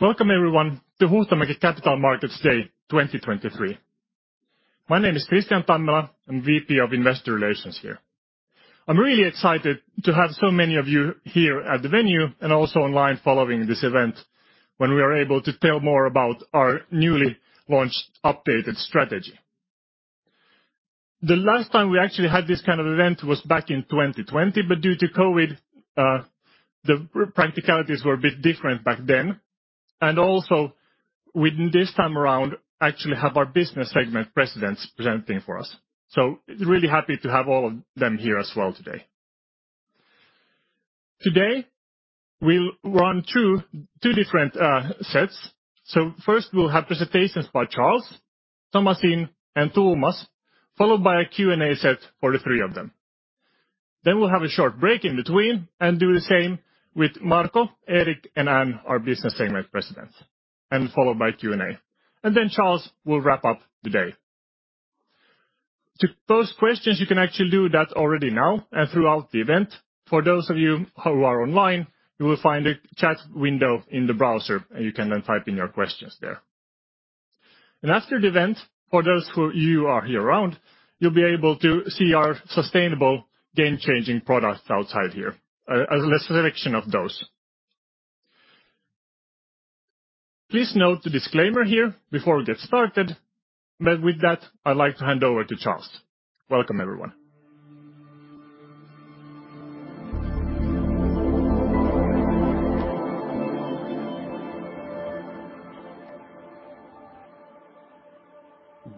Welcome everyone to Huhtamäki Capital Markets Day 2023. My name is Kristian Tammela. I'm VP of Investor Relations here. I'm really excited to have so many of you here at the venue and also online following this event, when we are able to tell more about our newly launched updated strategy. The last time we actually had this kind of event was back in 2020, but due to COVID, the practicalities were a bit different back then. Also with this time around actually have our business segment presidents presenting for us. Really happy to have all of them here as well today. Today, we'll run through two different sets. First we'll have presentations by Charles, Sami Pauni, and Thomas, followed by a Q&A set for the three of them. We'll have a short break in between and do the same with Marco, Eric, and Anne, our business segment presidents, and followed by Q&A. Charles will wrap up the day. To pose questions, you can actually do that already now and throughout the event. For those of you who are online, you will find a chat window in the browser, and you can then type in your questions there. After the event, for those you are here around, you'll be able to see our sustainable game-changing product outside here as a selection of those. Please note the disclaimer here before we get started, but with that, I'd like to hand over to Charles. Welcome, everyone.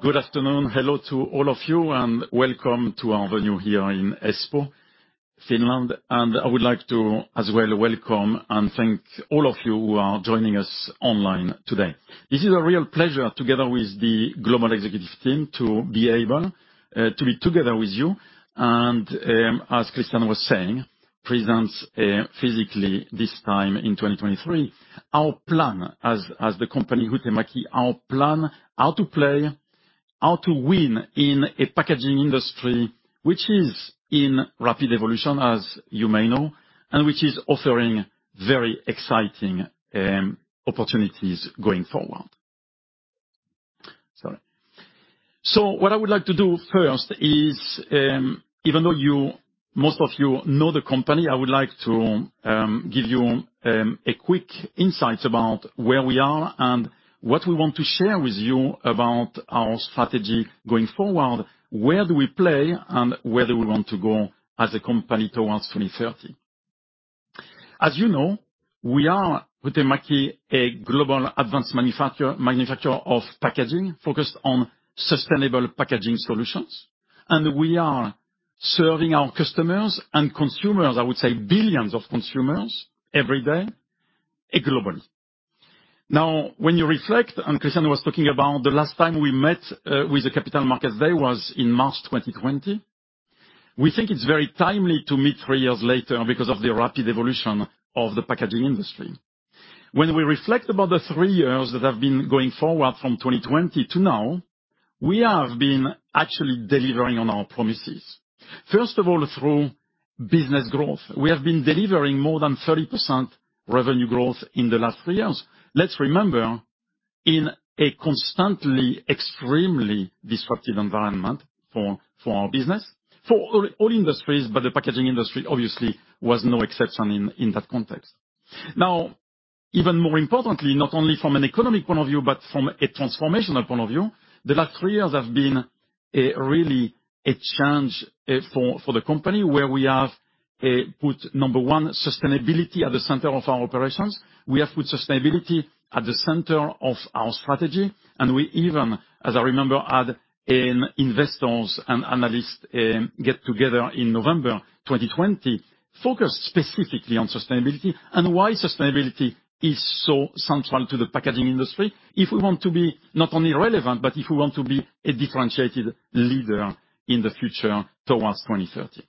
Good afternoon. Hello to all of you, and welcome to our venue here in Espoo, Finland. I would like to, as well, welcome and thank all of you who are joining us online today. This is a real pleasure together with the global executive team to be able to be together with you, and as Kristian was saying, present physically this time in 2023. Our plan as the company Huhtamaki, our plan how to play, how to win in a packaging industry which is in rapid evolution, as you may know, and which is offering very exciting opportunities going forward. Sorry. What I would like to do first is, even though you, most of you know the company, I would like to give you a quick insight about where we are and what we want to share with you about our strategy going forward, where do we play and where do we want to go as a company towards 2030. As you know, we are, Huhtamaki, a global advanced manufacturer of packaging, focused on sustainable packaging solutions, and we are serving our customers and consumers, I would say billions of consumers, every day globally. When you reflect, and Kristian was talking about the last time we met, with the Capital Markets Day was in March 2020. We think it's very timely to meet 3 years later because of the rapid evolution of the packaging industry. When we reflect about the 3 years that have been going forward from 2020 to now, we have been actually delivering on our promises. First of all, through business growth. We have been delivering more than 30% revenue growth in the last 3 years. Let's remember, in a constantly extremely disruptive environment for our business, for all industries, but the packaging industry obviously was no exception in that context. Now, even more importantly, not only from an economic point of view, but from a transformational point of view, the last 3 years have been a really a change for the company, where we have put, number one, sustainability at the center of our operations. We have put sustainability at the center of our strategy. We even, as I remember at an investors and analysts get together in November 2020, focused specifically on sustainability and why sustainability is so central to the packaging industry, if we want to be not only relevant, but if we want to be a differentiated leader in the future towards 2030.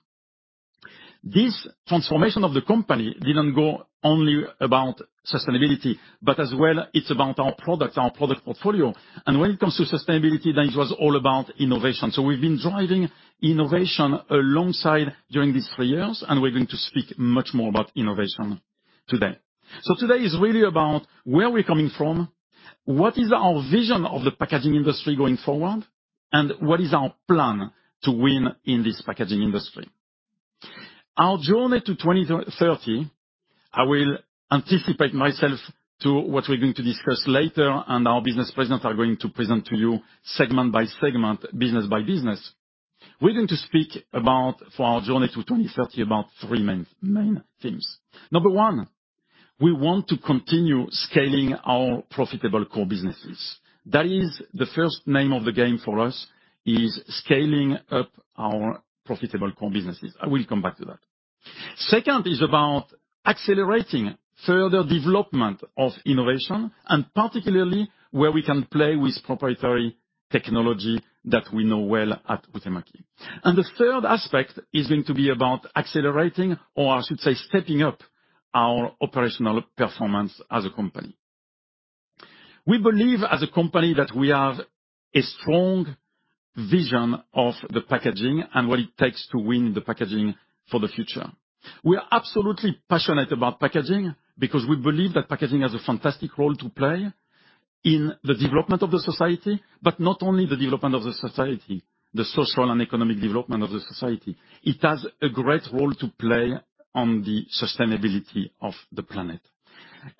This transformation of the company didn't go only about sustainability, but as well, it's about our product, our product portfolio. When it comes to sustainability, it was all about innovation. We've been driving innovation alongside during these 3 years, and we're going to speak much more about innovation today. Today is really about where we're coming from, what is our vision of the packaging industry going forward, and what is our plan to win in this packaging industry. Our journey to 2030, I will anticipate myself to what we're going to discuss later and our business presidents are going to present to you segment by segment, business by business. We're going to speak about, for our journey to 2030, about three main themes. Number one, we want to continue scaling our profitable core businesses. That is the first name of the game for us is scaling up our profitable core businesses. I will come back to that. Second is about accelerating further development of innovation, and particularly where we can play with proprietary technology that we know well at Huhtamaki. The third aspect is going to be about accelerating, or I should say, stepping up our operational performance as a company. We believe as a company that we have a strong vision of the packaging and what it takes to win the packaging for the future. We are absolutely passionate about packaging because we believe that packaging has a fantastic role to play in the development of the society, but not only the development of the society, the social and economic development of the society, it has a great role to play on the sustainability of the planet.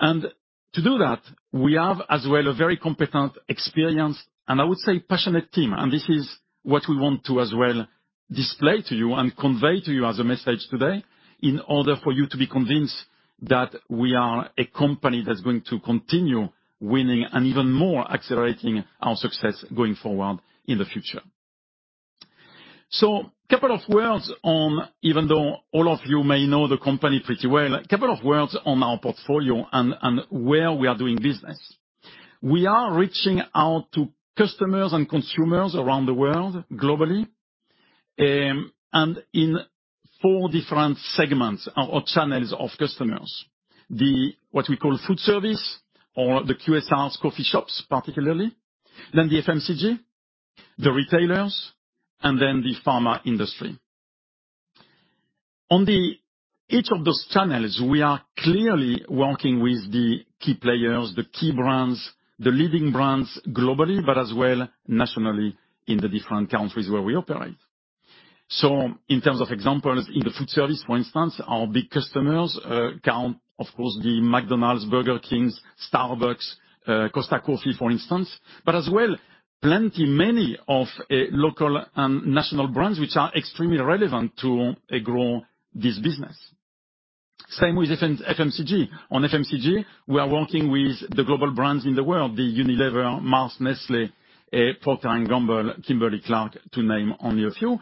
To do that, we have as well a very competent experience, and I would say passionate team. This is what we want to as well display to you and convey to you as a message today in order for you to be convinced that we are a company that's going to continue winning and even more accelerating our success going forward in the future. Couple of words on, even though all of you may know the company pretty well, a couple of words on our portfolio and where we are doing business. We are reaching out to customers and consumers around the world globally, and in four different segments or channels of customers. What we call food service or the QSRs, coffee shops particularly, then the FMCG, the retailers, and then the pharma industry. Each of those channels, we are clearly working with the key players, the key brands, the leading brands globally, but as well nationally in the different countries where we operate. In terms of examples, in the Fiber Foodservice, for instance, our big customers count, of course, the McDonald's, Burger King, Starbucks, Costa Coffee, for instance. As well, plenty many of local and national brands, which are extremely relevant to grow this business. Same with FMCG. FMCG, we are working with the global brands in the world, the Unilever, Mars, Nestlé, Procter & Gamble, Kimberly-Clark, to name only a few.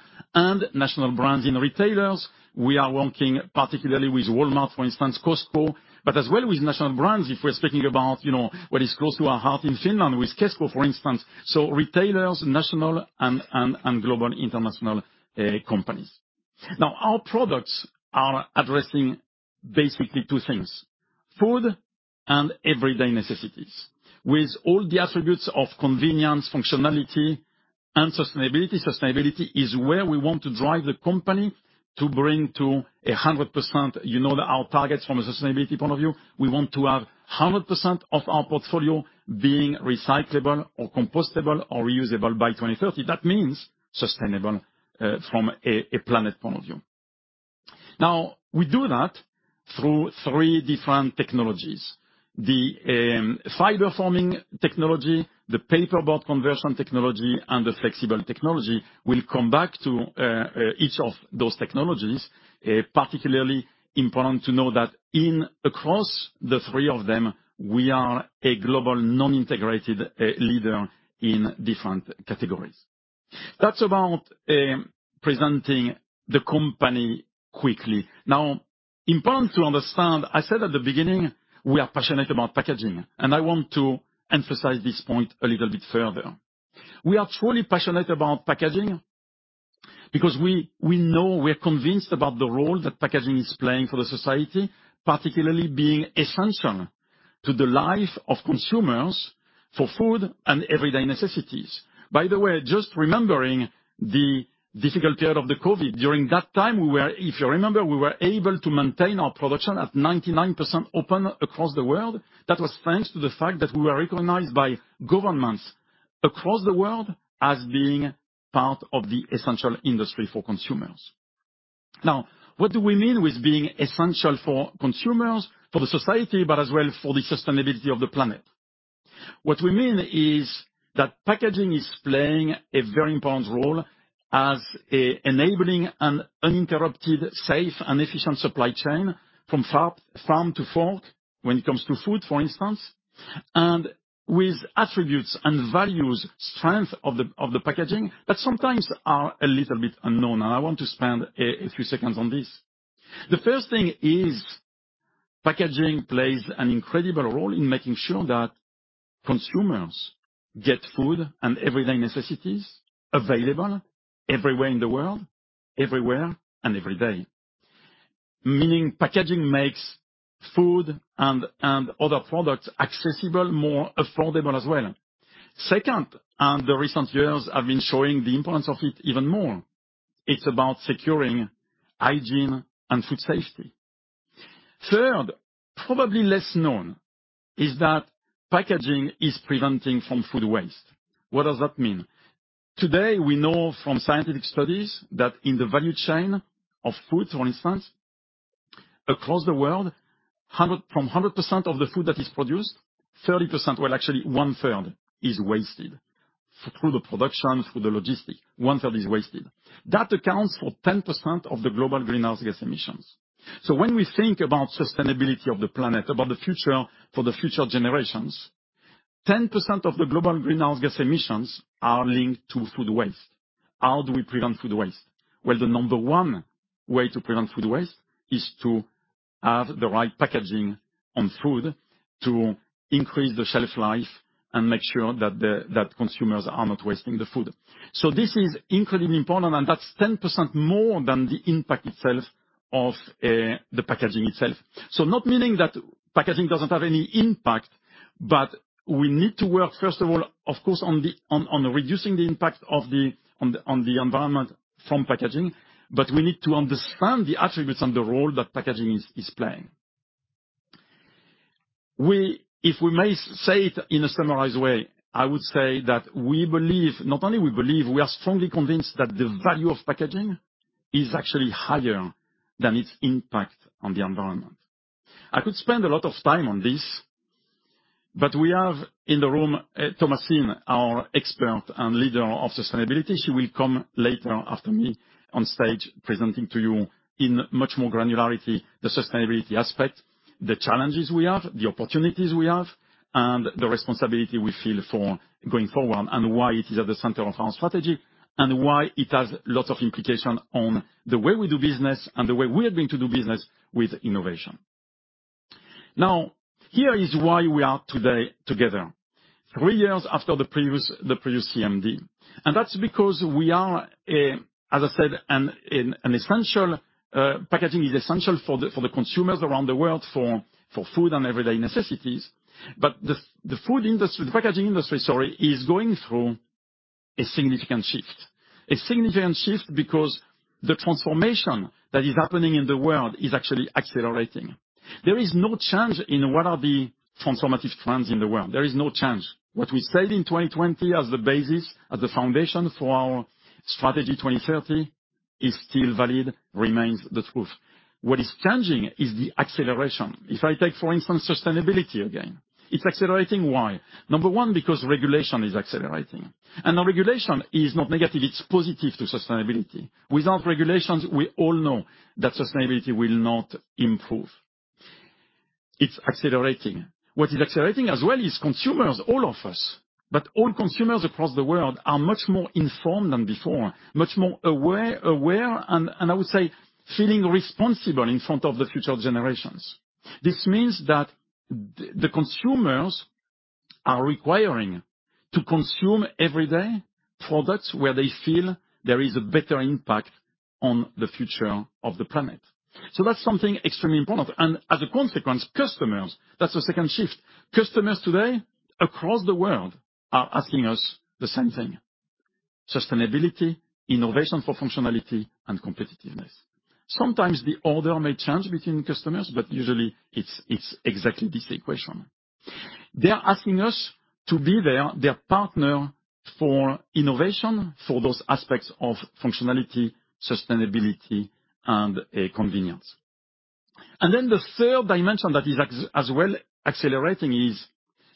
National brands in retailers, we are working particularly with Walmart, for instance, Costco, but as well with national brands, if we're speaking about, you know, what is close to our heart in Finland with Kesko, for instance, so retailers, national and global international companies. Our products are addressing basically two things: food and everyday necessities. With all the attributes of convenience, functionality, and sustainability. Sustainability is where we want to drive the company to bring to 100%. You know that our targets from a sustainability point of view, we want to have 100% of our portfolio being recyclable or compostable or reusable by 2030. That means sustainable from a planet point of view. We do that through three different technologies. The fiber forming technology, the paperboard conversion technology, and the flexible technology. We'll come back to each of those technologies. Particularly important to know that across the three of them, we are a global non-integrated leader in different categories. That's about presenting the company quickly. Important to understand, I said at the beginning, we are passionate about packaging, and I want to emphasize this point a little bit further. We are truly passionate about packaging because we know, we're convinced about the role that packaging is playing for the society, particularly being essential to the life of consumers for food and everyday necessities. Just remembering the difficult year of the COVID, during that time, if you remember, we were able to maintain our production at 99% open across the world. That was thanks to the fact that we were recognized by governments across the world as being part of the essential industry for consumers. What do we mean with being essential for consumers, for the society, but as well for the sustainability of the planet? What we mean is that packaging is playing a very important role as enabling an uninterrupted, safe and efficient supply chain from farm to fork when it comes to food, for instance, and with attributes and values, strength of the packaging that sometimes are a little bit unknown. I want to spend a few seconds on this. The first thing is packaging plays an incredible role in making sure that consumers get food and everyday necessities available everywhere in the world, everywhere and every day. Packaging makes food and other products accessible, more affordable as well. Second, the recent years have been showing the importance of it even more. It's about securing hygiene and food safety. Third, probably less known, is that packaging is preventing from food waste. What does that mean? Today, we know from scientific studies that in the value chain of food, for instance, across the world, from 100% of the food that is produced, 30%, well, actually one-third is wasted through the production, through the logistics. One-third is wasted. That accounts for 10% of the global greenhouse gas emissions. When we think about sustainability of the planet, about the future for the future generations, 10% of the global greenhouse gas emissions are linked to food waste. How do we prevent food waste? The number one way to prevent food waste is to have the right packaging on food to increase the shelf life and make sure that consumers are not wasting the food. This is incredibly important, and that's 10% more than the impact itself of the packaging itself. Not meaning that packaging doesn't have any impact, but we need to work first of all, of course, on reducing the impact of the environment from packaging, but we need to understand the attributes and the role that packaging is playing. If we may say it in a summarized way, I would say that Not only we believe, we are strongly convinced that the value of packaging is actually higher than its impact on the environment. I could spend a lot of time on this, but we have in the room, Thomasine, our expert and leader of sustainability, she will come later after me on stage presenting to you in much more granularity, the sustainability aspect, the challenges we have, the opportunities we have, and the responsibility we feel for going forward, and why it is at the center of our strategy, and why it has lots of implication on the way we do business and the way we are going to do business with innovation. Here is why we are today together, three years after the previous CMD. That's because we are, as I said, an essential. Packaging is essential for the consumers around the world for food and everyday necessities. The food industry, the packaging industry, sorry, is going through a significant shift. A significant shift because the transformation that is happening in the world is actually accelerating. There is no change in what are the transformative trends in the world. There is no change. What we said in 2020 as the basis, as the foundation for our strategy, 2030 is still valid, remains the truth. What is changing is the acceleration. If I take, for instance, sustainability again, it's accelerating. Why? Number one, because regulation is accelerating. The regulation is not negative, it's positive to sustainability. Without regulations, we all know that sustainability will not improve. It's accelerating. What is accelerating as well is consumers, all of us. All consumers across the world are much more informed than before, much more aware and I would say feeling responsible in front of the future generations. This means that the consumers are requiring to consume every day products where they feel there is a better impact on the future of the planet. That's something extremely important. As a consequence, customers, that's the second shift. Customers today across the world are asking us the same thing: Sustainability, innovation for functionality and competitiveness. Sometimes the order may change between customers, but usually it's exactly this equation. They are asking us to be their partner for innovation, for those aspects of functionality, sustainability and convenience. The third dimension that is as well accelerating is,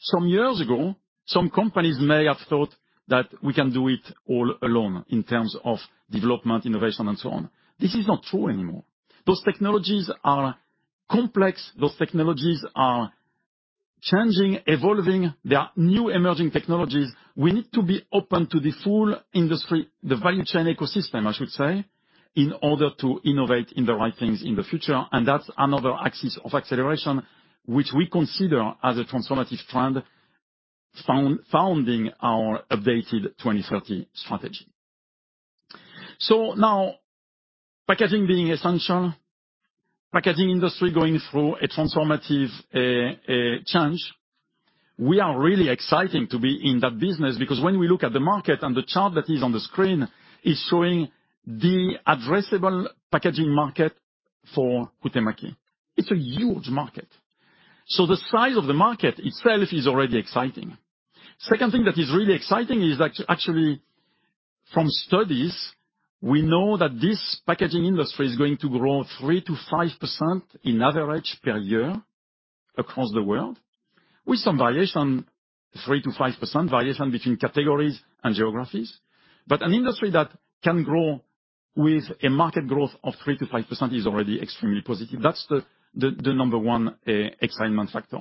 some years ago, some companies may have thought that we can do it all alone in terms of development, innovation and so on. This is not true anymore. Those technologies are complex. Those technologies are changing, evolving. There are new emerging technologies. We need to be open to the full industry, the value chain ecosystem, I should say, in order to innovate in the right things in the future. That's another axis of acceleration, which we consider as a transformative trend founding our updated 2030 strategy. Now packaging being essential, packaging industry going through a transformative change, we are really exciting to be in that business because when we look at the market and the chart that is on the screen is showing the addressable packaging market for Huhtamaki. It's a huge market. The size of the market itself is already exciting. Second thing that is really exciting is that actually from studies, we know that this packaging industry is going to grow 3%-5% in average per year across the world, with some variation, 3%-5% variation between categories and geographies. An industry that can grow with a market growth of 3%-5% is already extremely positive. That's the number one excitement factor.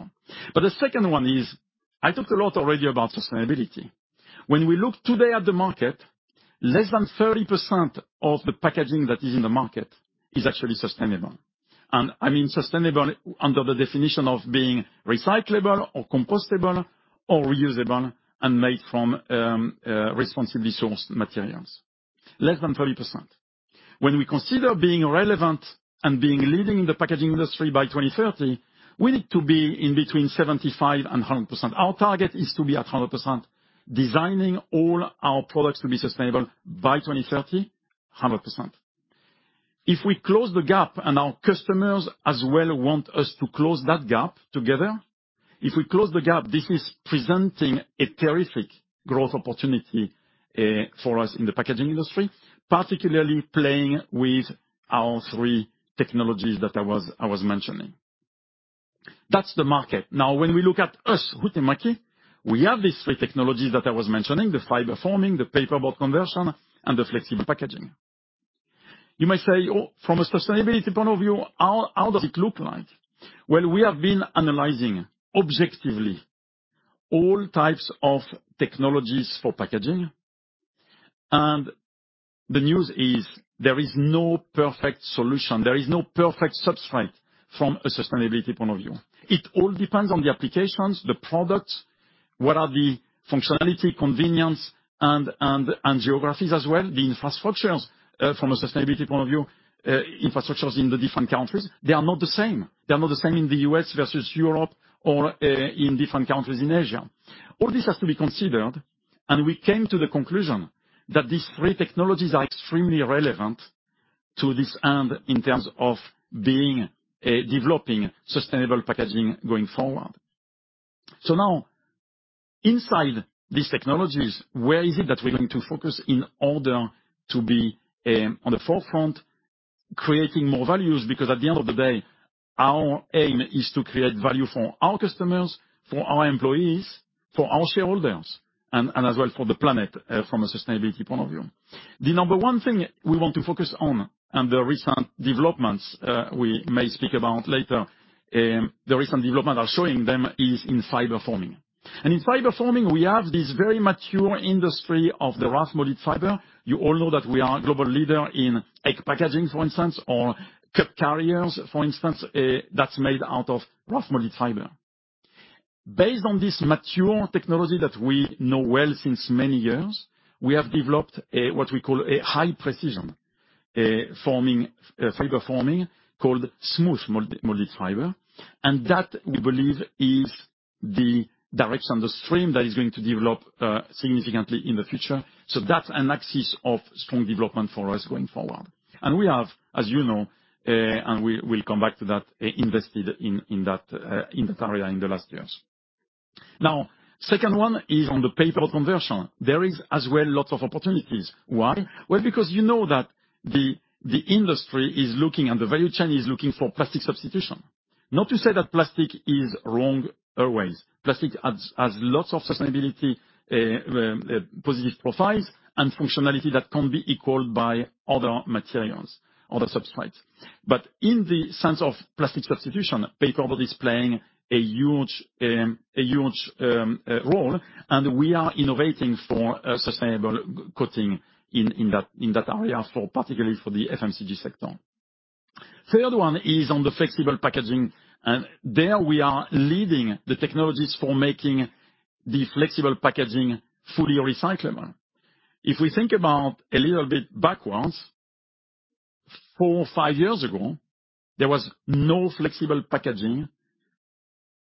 The second one is, I talked a lot already about sustainability. When we look today at the market, less than 30% of the packaging that is in the market is actually sustainable. I mean sustainable under the definition of being recyclable or compostable or reusable and made from responsibly sourced materials. Less than 30%. When we consider being relevant and being leading in the packaging industry by 2030, we need to be in between 75% and 100%. Our target is to be at 100%, designing all our products to be sustainable by 2030, 100%. If we close the gap and our customers as well want us to close that gap together, if we close the gap, this is presenting a terrific growth opportunity for us in the packaging industry, particularly playing with our three technologies that I was mentioning. That's the market. When we look at us, Huhtamaki, we have these three technologies that I was mentioning, the fiber forming, the paperboard conversion and the flexible packaging. You may say, "Oh, from a sustainability point of view, how does it look like?" Well, we have been analyzing objectively all types of technologies for packaging. The news is there is no perfect solution. There is no perfect substrate. From a sustainability point of view, it all depends on the applications, the products, what are the functionality, convenience and geographies as well. The infrastructures, from a sustainability point of view, infrastructures in the different countries, they are not the same. They are not the same in the US versus Europe or, in different countries in Asia. All this has to be considered, and we came to the conclusion that these three technologies are extremely relevant to this end in terms of being, developing sustainable packaging going forward. Now, inside these technologies, where is it that we're going to focus in order to be, on the forefront, creating more values? At the end of the day, our aim is to create value for our customers, for our employees, for our shareholders, and as well for the planet, from a sustainability point of view. The number one thing we want to focus on and the recent developments, we may speak about later, the recent developments are showing them is in fiber forming. In fiber forming, we have this very mature industry of the raft Molded fiber. You all know that we are a global leader in egg packaging, for instance, or cup carriers, for instance, that's made out of raft Molded fiber. Based on this mature technology that we know well since many years, we have developed a, what we call a high precision, forming, fiber forming called smooth Molded fiber. That, we believe, is the direction, the stream that is going to develop significantly in the future. That's an axis of strong development for us going forward. We have, as you know, and we'll come back to that, invested in that in that area in the last years. Second one is on the paper conversion. There is as well lots of opportunities. Why? Well, because you know that the industry is looking and the value chain is looking for plastic substitution. Not to say that plastic is wrong always. Plastic has lots of sustainability positive profiles and functionality that can't be equaled by other materials, other substrates. In the sense of plastic substitution, paperboard is playing a huge role, and we are innovating for a sustainable coating in that area for, particularly for the FMCG sector. Third one is on the flexible packaging, and there we are leading the technologies for making the flexible packaging fully recyclable. If we think about a little bit backwards, 4 or 5 years ago, there was no flexible packaging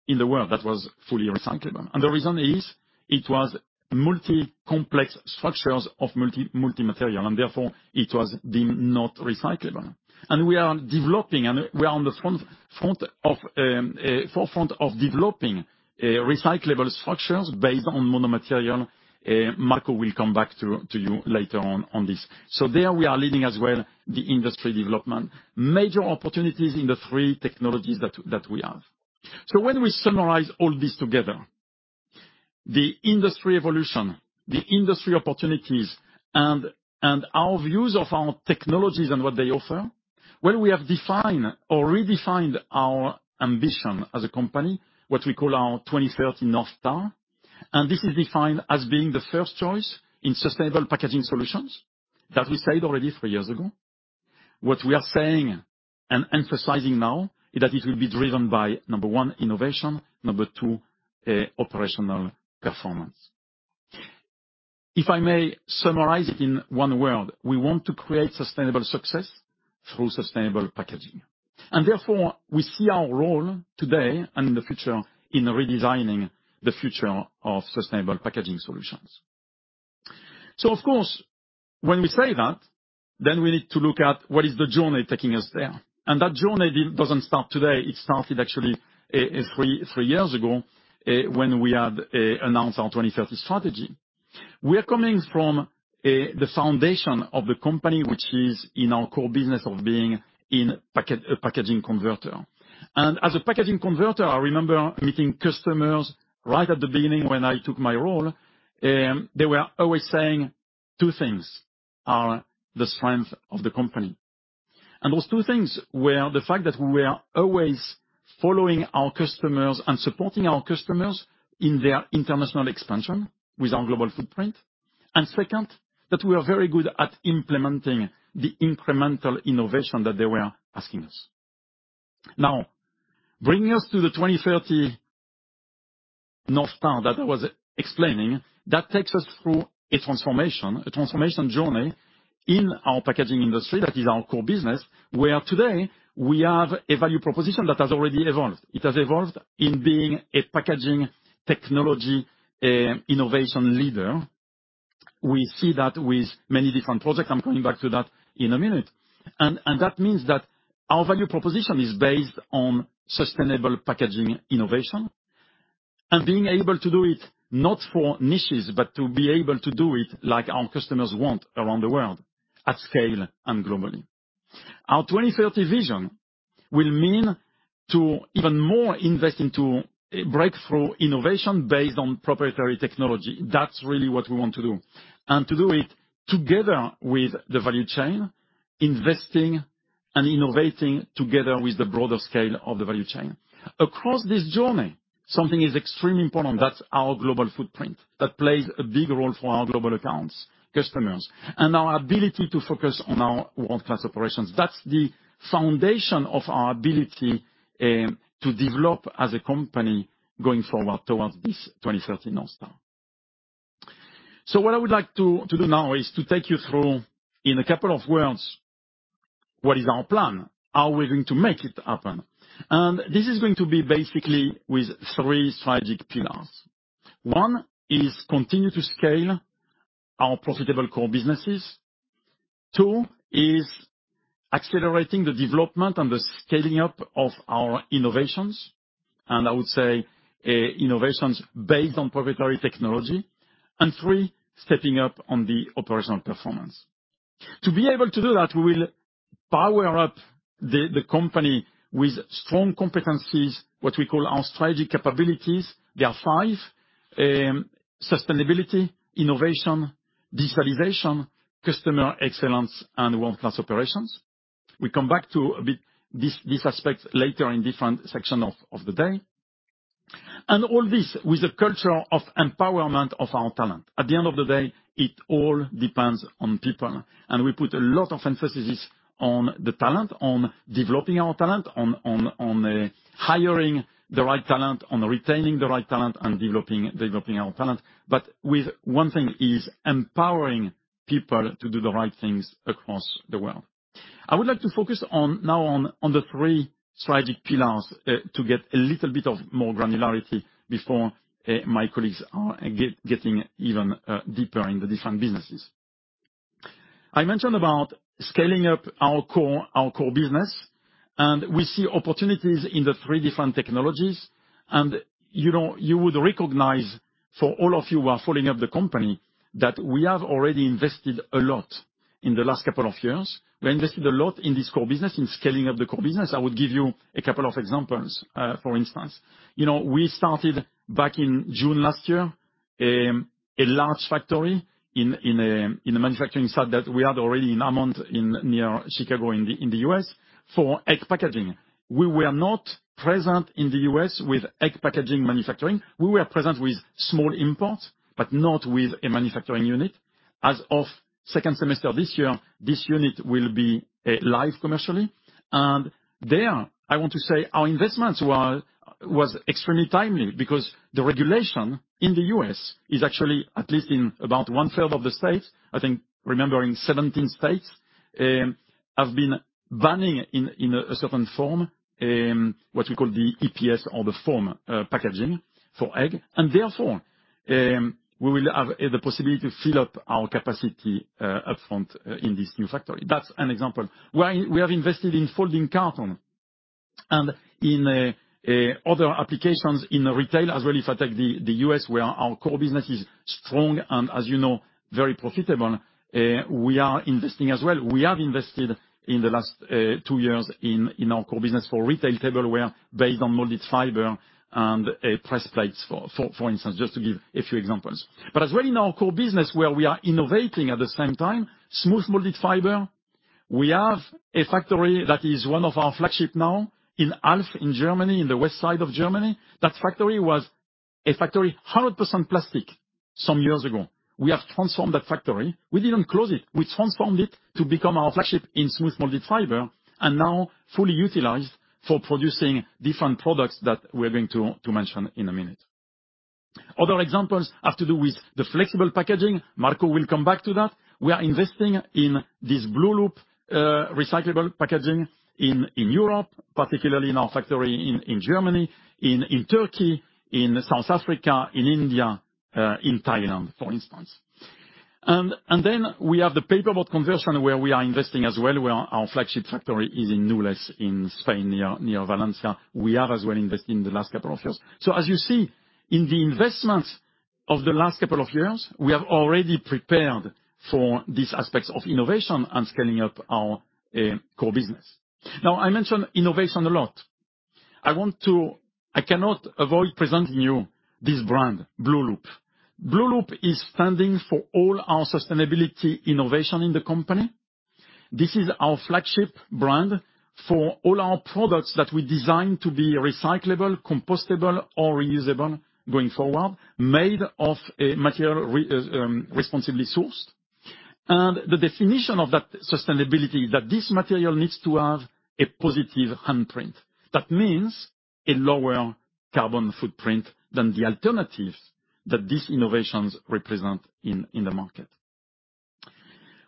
in the world that was fully recyclable. The reason is it was multi-complex structures of multi-material, and therefore it was deemed not recyclable. We are developing, and we are on the forefront of developing recyclable structures based on mono-material. Marco will come back to you later on on this. There we are leading as well the industry development. Major opportunities in the three technologies that we have. When we summarize all this together, the industry evolution, the industry opportunities and our views of our technologies and what they offer, well, we have defined or redefined our ambition as a company, what we call our 2030 North Star, and this is defined as being the first choice in sustainable packaging solutions that we said already three years ago. What we are saying and emphasizing now is that it will be driven by, number one, innovation, number two, operational performance. If I may summarize it in one word, we want to create sustainable success through sustainable packaging. Therefore, we see our role today and in the future in redesigning the future of sustainable packaging solutions. Of course, when we say that, then we need to look at what is the journey taking us there. That journey doesn't start today. It started actually, three years ago, when we had announced our 2030 strategy. We are coming from the foundation of the company, which is in our core business of being in packaging converter. As a packaging converter, I remember meeting customers right at the beginning when I took my role, they were always saying two things are the strength of the company. Those two things were the fact that we are always following our customers and supporting our customers in their international expansion with our global footprint. Second, that we are very good at implementing the incremental innovation that they were asking us. Now, bringing us to the 2030 North Star that I was explaining, that takes us through a transformation, a transformation journey in our packaging industry that is our core business. Where today we have a value proposition that has already evolved. It has evolved in being a packaging technology, innovation leader. We see that with many different projects. I'm coming back to that in a minute. That means that our value proposition is based on sustainable packaging innovation and being able to do it not for niches, but to be able to do it like our customers want around the world at scale and globally. Our 2030 vision will mean to even more invest into breakthrough innovation based on proprietary technology. That's really what we want to do. To do it together with the value chain, investing and innovating together with the broader scale of the value chain. Across this journey. Something is extremely important, that's our global footprint. That plays a big role for our global accounts, customers, and our ability to focus on our world-class operations. That's the foundation of our ability to develop as a company going forward towards this 2030 North Star. What I would like to do now is to take you through, in a couple of words, what is our plan, how are we going to make it happen. This is going to be basically with 3 strategic pillars. 1 is continue to scale our profitable core businesses. 2 is accelerating the development and the scaling up of our innovations, and I would say, innovations based on proprietary technology. Three, stepping up on the operational performance. To be able to do that, we will power up the company with strong competencies, what we call our strategic capabilities. There are five: sustainability, innovation, digitalization, customer excellence, and world-class operations. We come back to these aspects later in different section of the day. All this with a culture of empowerment of our talent. At the end of the day, it all depends on people, and we put a lot of emphasis on the talent, on developing our talent, on hiring the right talent, on retaining the right talent, and developing our talent. With one thing is empowering people to do the right things across the world. I would like to focus now on the three strategic pillars to get a little bit of more granularity before my colleagues are getting even deeper in the different businesses. I mentioned about scaling up our core business, and we see opportunities in the three different technologies. You know, you would recognize, for all of you who are following up the company, that we have already invested a lot in the last couple of years. We invested a lot in this core business, in scaling up the core business. I would give you a couple of examples. For instance, you know, we started back in June last year, a large factory in a manufacturing site that we had already in Hammond near Chicago in the US for egg packaging. We were not present in the U.S. with egg packaging manufacturing. We were present with small imports, but not with a manufacturing unit. As of second semester this year, this unit will be live commercially. There, I want to say our investments were, was extremely timely because the regulation in the U.S. is actually, at least in about one-third of the states, I think remembering 17 states, have been banning in a certain form, what we call the EPS or the foam packaging for egg. Therefore, we will have the possibility to fill up our capacity upfront in this new factory. That's an example. We have invested in folding carton and in other applications in retail as well. If I take the U.S. where our core business is strong and as you know, very profitable, we are investing as well. We have invested in the last two years in our core business for retail tableware based on Molded fiber and press plates, for instance, just to give a few examples. As well in our core business where we are innovating at the same time, smooth Molded fiber. We have a factory that is one of our flagship now in Alf, in Germany, in the west side of Germany. That factory was a factory 100% plastic some years ago. We have transformed that factory. We didn't close it. We transformed it to become our flagship in smooth Molded fiber, and now fully utilized for producing different products that we're going to mention in a minute. Other examples have to do with the flexible packaging. Marco will come back to that. We are investing in this blueloop recyclable packaging in Europe, particularly in our factory in Germany, in Turkey, in South Africa, in India, in Thailand, for instance. Then we have the paperboard conversion where we are investing as well, where our flagship factory is in Nules in Spain, near Valencia. We have as well invested in the last couple of years. As you see in the investments of the last couple of years, we have already prepared for these aspects of innovation and scaling up our core business. I mentioned innovation a lot. I cannot avoid presenting you this brand, blueloop. blueloop is standing for all our sustainability innovation in the company. This is our flagship brand for all our products that we design to be recyclable, compostable, or reusable going forward, made of a material responsibly sourced. The definition of that sustainability that this material needs to have a positive handprint. That means a lower carbon footprint than the alternatives that these innovations represent in the market.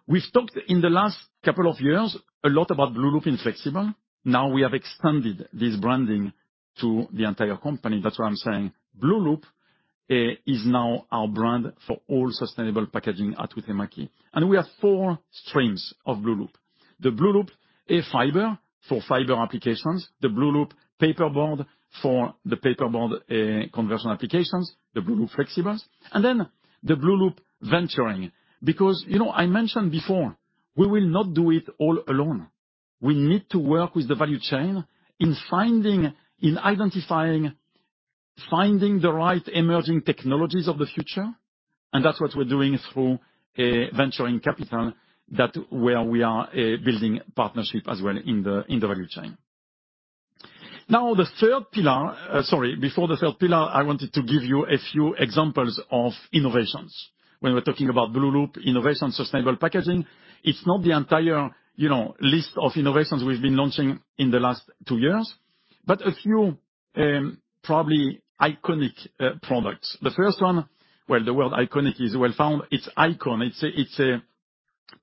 We've talked in the last couple of years a lot about blueloop in flexible. Now we have extended this branding to the entire company. That's why I'm saying blueloop is now our brand for all sustainable packaging at Huhtamäki. We have four streams of blueloop. The blueloop Fiber for fiber applications, the blueloop Paperboard for the paperboard conversion applications, the blueloop Flexibles, and then the blueloop venturing. You know, I mentioned before, we will not do it all alone. We need to work with the value chain in finding, in identifying, finding the right emerging technologies of the future. That's what we're doing through venture capital that where we are building partnership as well in the value chain. The third pillar. Sorry, before the third pillar, I wanted to give you a few examples of innovations. When we're talking about blueloop innovation, sustainable packaging, it's not the entire, you know, list of innovations we've been launching in the last 2 years, but a few probably iconic products. The first one, well, the word iconic is well found, it's ICON. It's a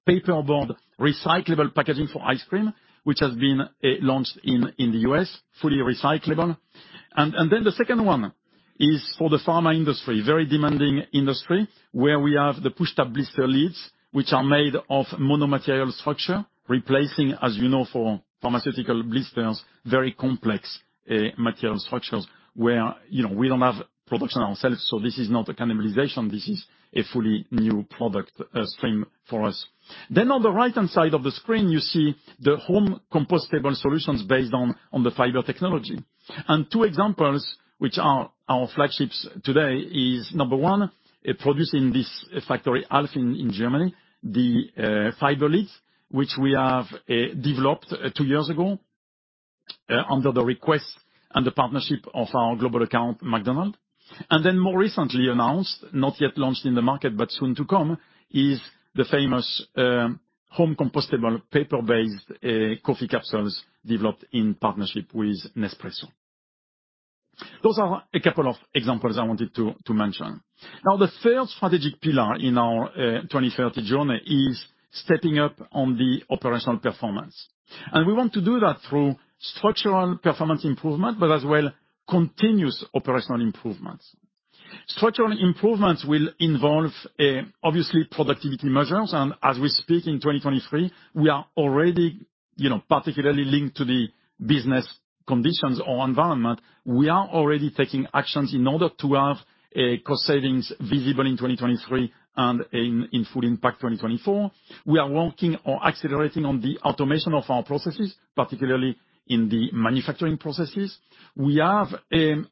paperboard recyclable packaging for ice cream, which has been launched in the U.S., fully recyclable. The second one is for the pharma industry, very demanding industry, where we have the Push Tab blister lids, which are made of mono-material structure, replacing, as you know, for pharmaceutical blisters, very complex material structures where, you know, we don't have production ourselves, so this is not a cannibalization, this is a fully new product stream for us. On the right-hand side of the screen, you see the home compostable solutions based on the fiber technology. Two examples, which are our flagships today, is number 1, produced in this factory Alf in Germany, the fiber lids, which we have developed 2 years ago, under the request and the partnership of our global account, McDonald's. More recently announced, not yet launched in the market, but soon to come, is the famous home compostable paper-based coffee capsules developed in partnership with Nespresso. Those are a couple of examples I wanted to mention. Now, the third strategic pillar in our 2030 journey is stepping up on the operational performance. We want to do that through structural performance improvement, but as well, continuous operational improvements. Structural improvements will involve obviously productivity measures and as we speak in 2023, we are already, you know, particularly linked to the business conditions or environment. We are already taking actions in order to have a cost savings visible in 2023 and in full impact, 2024. We are working on accelerating on the automation of our processes, particularly in the manufacturing processes. We have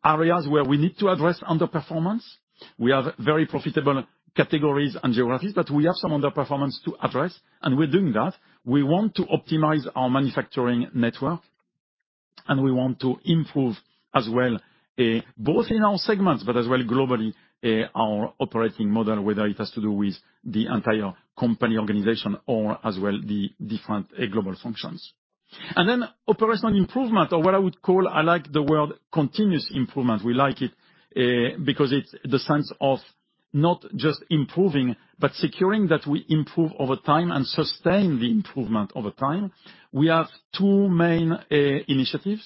areas where we need to address underperformance. We have very profitable categories and geographies, but we have some underperformance to address, and we're doing that. We want to optimize our manufacturing network and we want to improve as well, both in our segments, but as well globally, our operating model, whether it has to do with the entire company organization or as well the different global functions. Operational improvement or what I would call, I like the word continuous improvement. We like it because it's the sense of not just improving, but securing that we improve over time and sustain the improvement over time. We have two main initiatives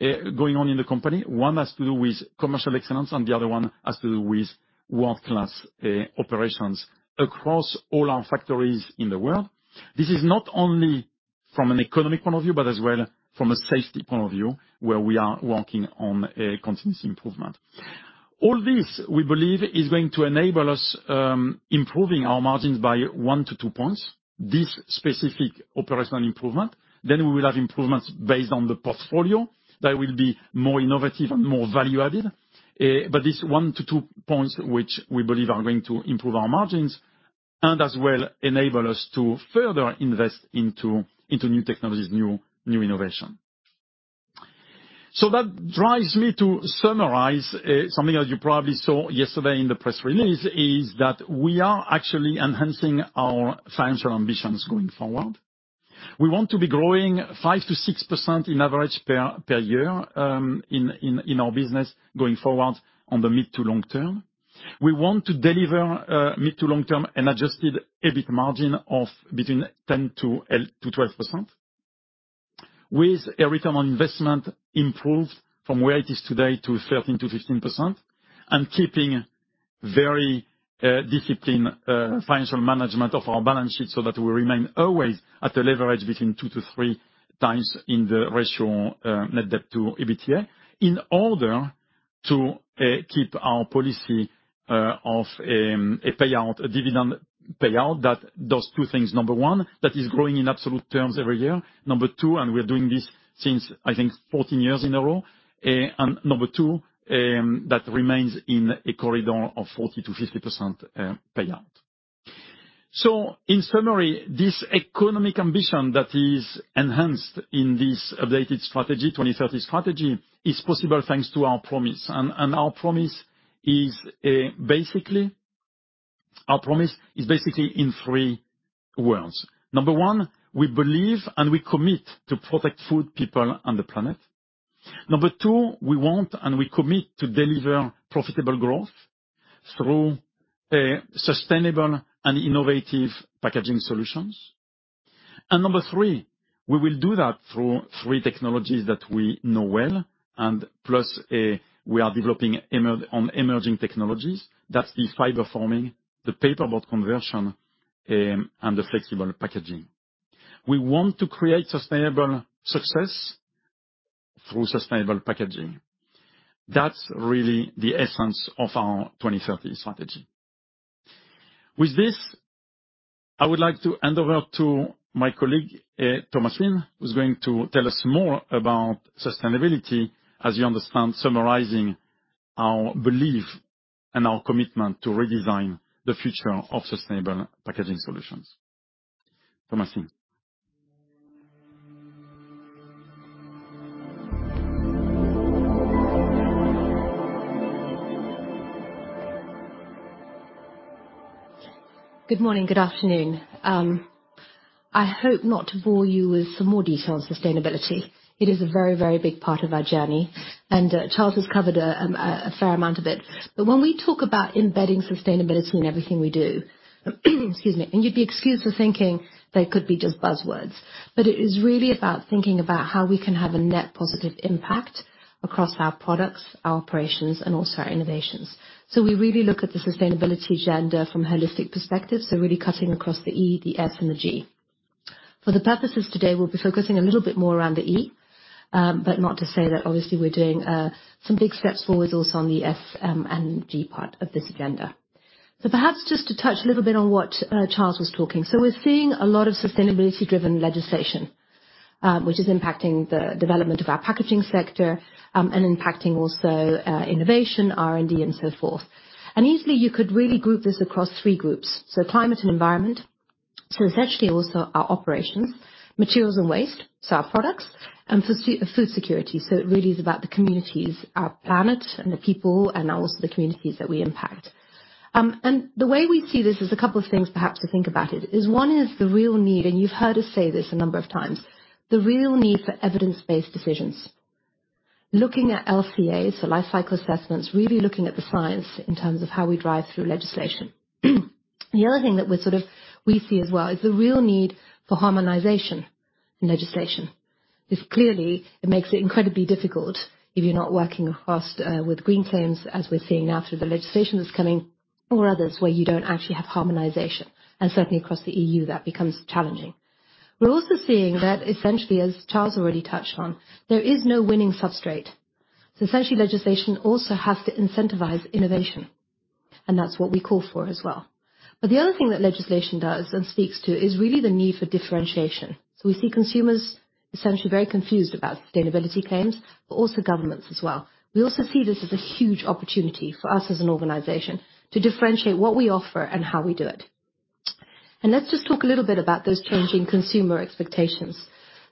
going on in the company. One has to do with commercial excellence, and the other one has to do with world-class operations across all our factories in the world. This is not only from an economic point of view, but as well from a safety point of view, where we are working on a continuous improvement. All this, we believe, is going to enable us, improving our margins by 1-2 points, this specific operational improvement. We will have improvements based on the portfolio that will be more innovative and more value added. But this 1-2 points, which we believe are going to improve our margins and as well enable us to further invest into new technologies, new innovation. That drives me to summarize, something else you probably saw yesterday in the press release, is that we are actually enhancing our financial ambitions going forward. We want to be growing 5% to 6% in average per year in our business going forward on the mid to long term. We want to deliver mid to long term an adjusted EBIT margin of between 10% to 12%, with a return on investment improved from where it is today to 13% to 15%, and keeping very disciplined financial management of our balance sheet so that we remain always at a leverage between 2 to 3 times in the ratio net debt to EBITDA, in order to keep our policy of a payout, a dividend payout that does two things. Number one, that is growing in absolute terms every year. Number two, we are doing this since, I think, 14 years in a row. Number two, that remains in a corridor of 40%-50% payout. In summary, this economic ambition that is enhanced in this updated strategy, 2030 strategy, is possible thanks to our promise. Our promise is basically in 3 worlds. 1. We believe and we commit to protect food, people and the planet. 2. We want and we commit to deliver profitable growth through sustainable and innovative packaging solutions. 3. We will do that through 3 technologies that we know well, and plus, we are developing on emerging technologies. That's the fiber forming, the paperboard conversion, and the flexible packaging. We want to create sustainable success through sustainable packaging. That's really the essence of our 2030 strategy. With this, I would like to hand over to my colleague, Thomasine, who's going to tell us more about sustainability, as you understand, summarizing our belief and our commitment to redesign the future of sustainable packaging solutions. Thomasine. Good morning, good afternoon. I hope not to bore you with some more detail on sustainability. It is a very, very big part of our journey, and Charles has covered a fair amount of it. When we talk about embedding sustainability in everything we do, excuse me, and you'd be excused for thinking they could be just buzzwords. It is really about thinking about how we can have a net positive impact across our products, our operations and also our innovations. We really look at the sustainability agenda from holistic perspective, so really cutting across the E, the S and the G. For the purposes today, we'll be focusing a little bit more around the E, but not to say that obviously we're doing some big steps forward also on the S and G part of this agenda. Perhaps just to touch a little bit on what Charles was talking. We're seeing a lot of sustainability-driven legislation, which is impacting the development of our packaging sector, and impacting also innovation, R&D and so forth. Easily you could really group this across 3 groups. Climate and environment, essentially also our operations. Materials and waste, our products. Food security, it really is about the communities, our planet and the people and also the communities that we impact. The way we see this is a couple of things perhaps to think about it, is one is the real need, and you've heard us say this a number of times, the real need for evidence-based decisions. Looking at LCAs, life cycle assessments, really looking at the science in terms of how we drive through legislation. The other thing that we see as well is the real need for harmonization in legislation. Clearly, it makes it incredibly difficult if you're not working across with green claims, as we're seeing now through the legislation that's coming or others where you don't actually have harmonization, and certainly across the EU that becomes challenging. We're also seeing that essentially, as Charles already touched on, there is no winning substrate. Essentially legislation also has to incentivize innovation, and that's what we call for as well. The other thing that legislation does and speaks to is really the need for differentiation. We see consumers essentially very confused about sustainability claims, but also governments as well. We also see this as a huge opportunity for us as an organization to differentiate what we offer and how we do it. Let's just talk a little bit about those changing consumer expectations.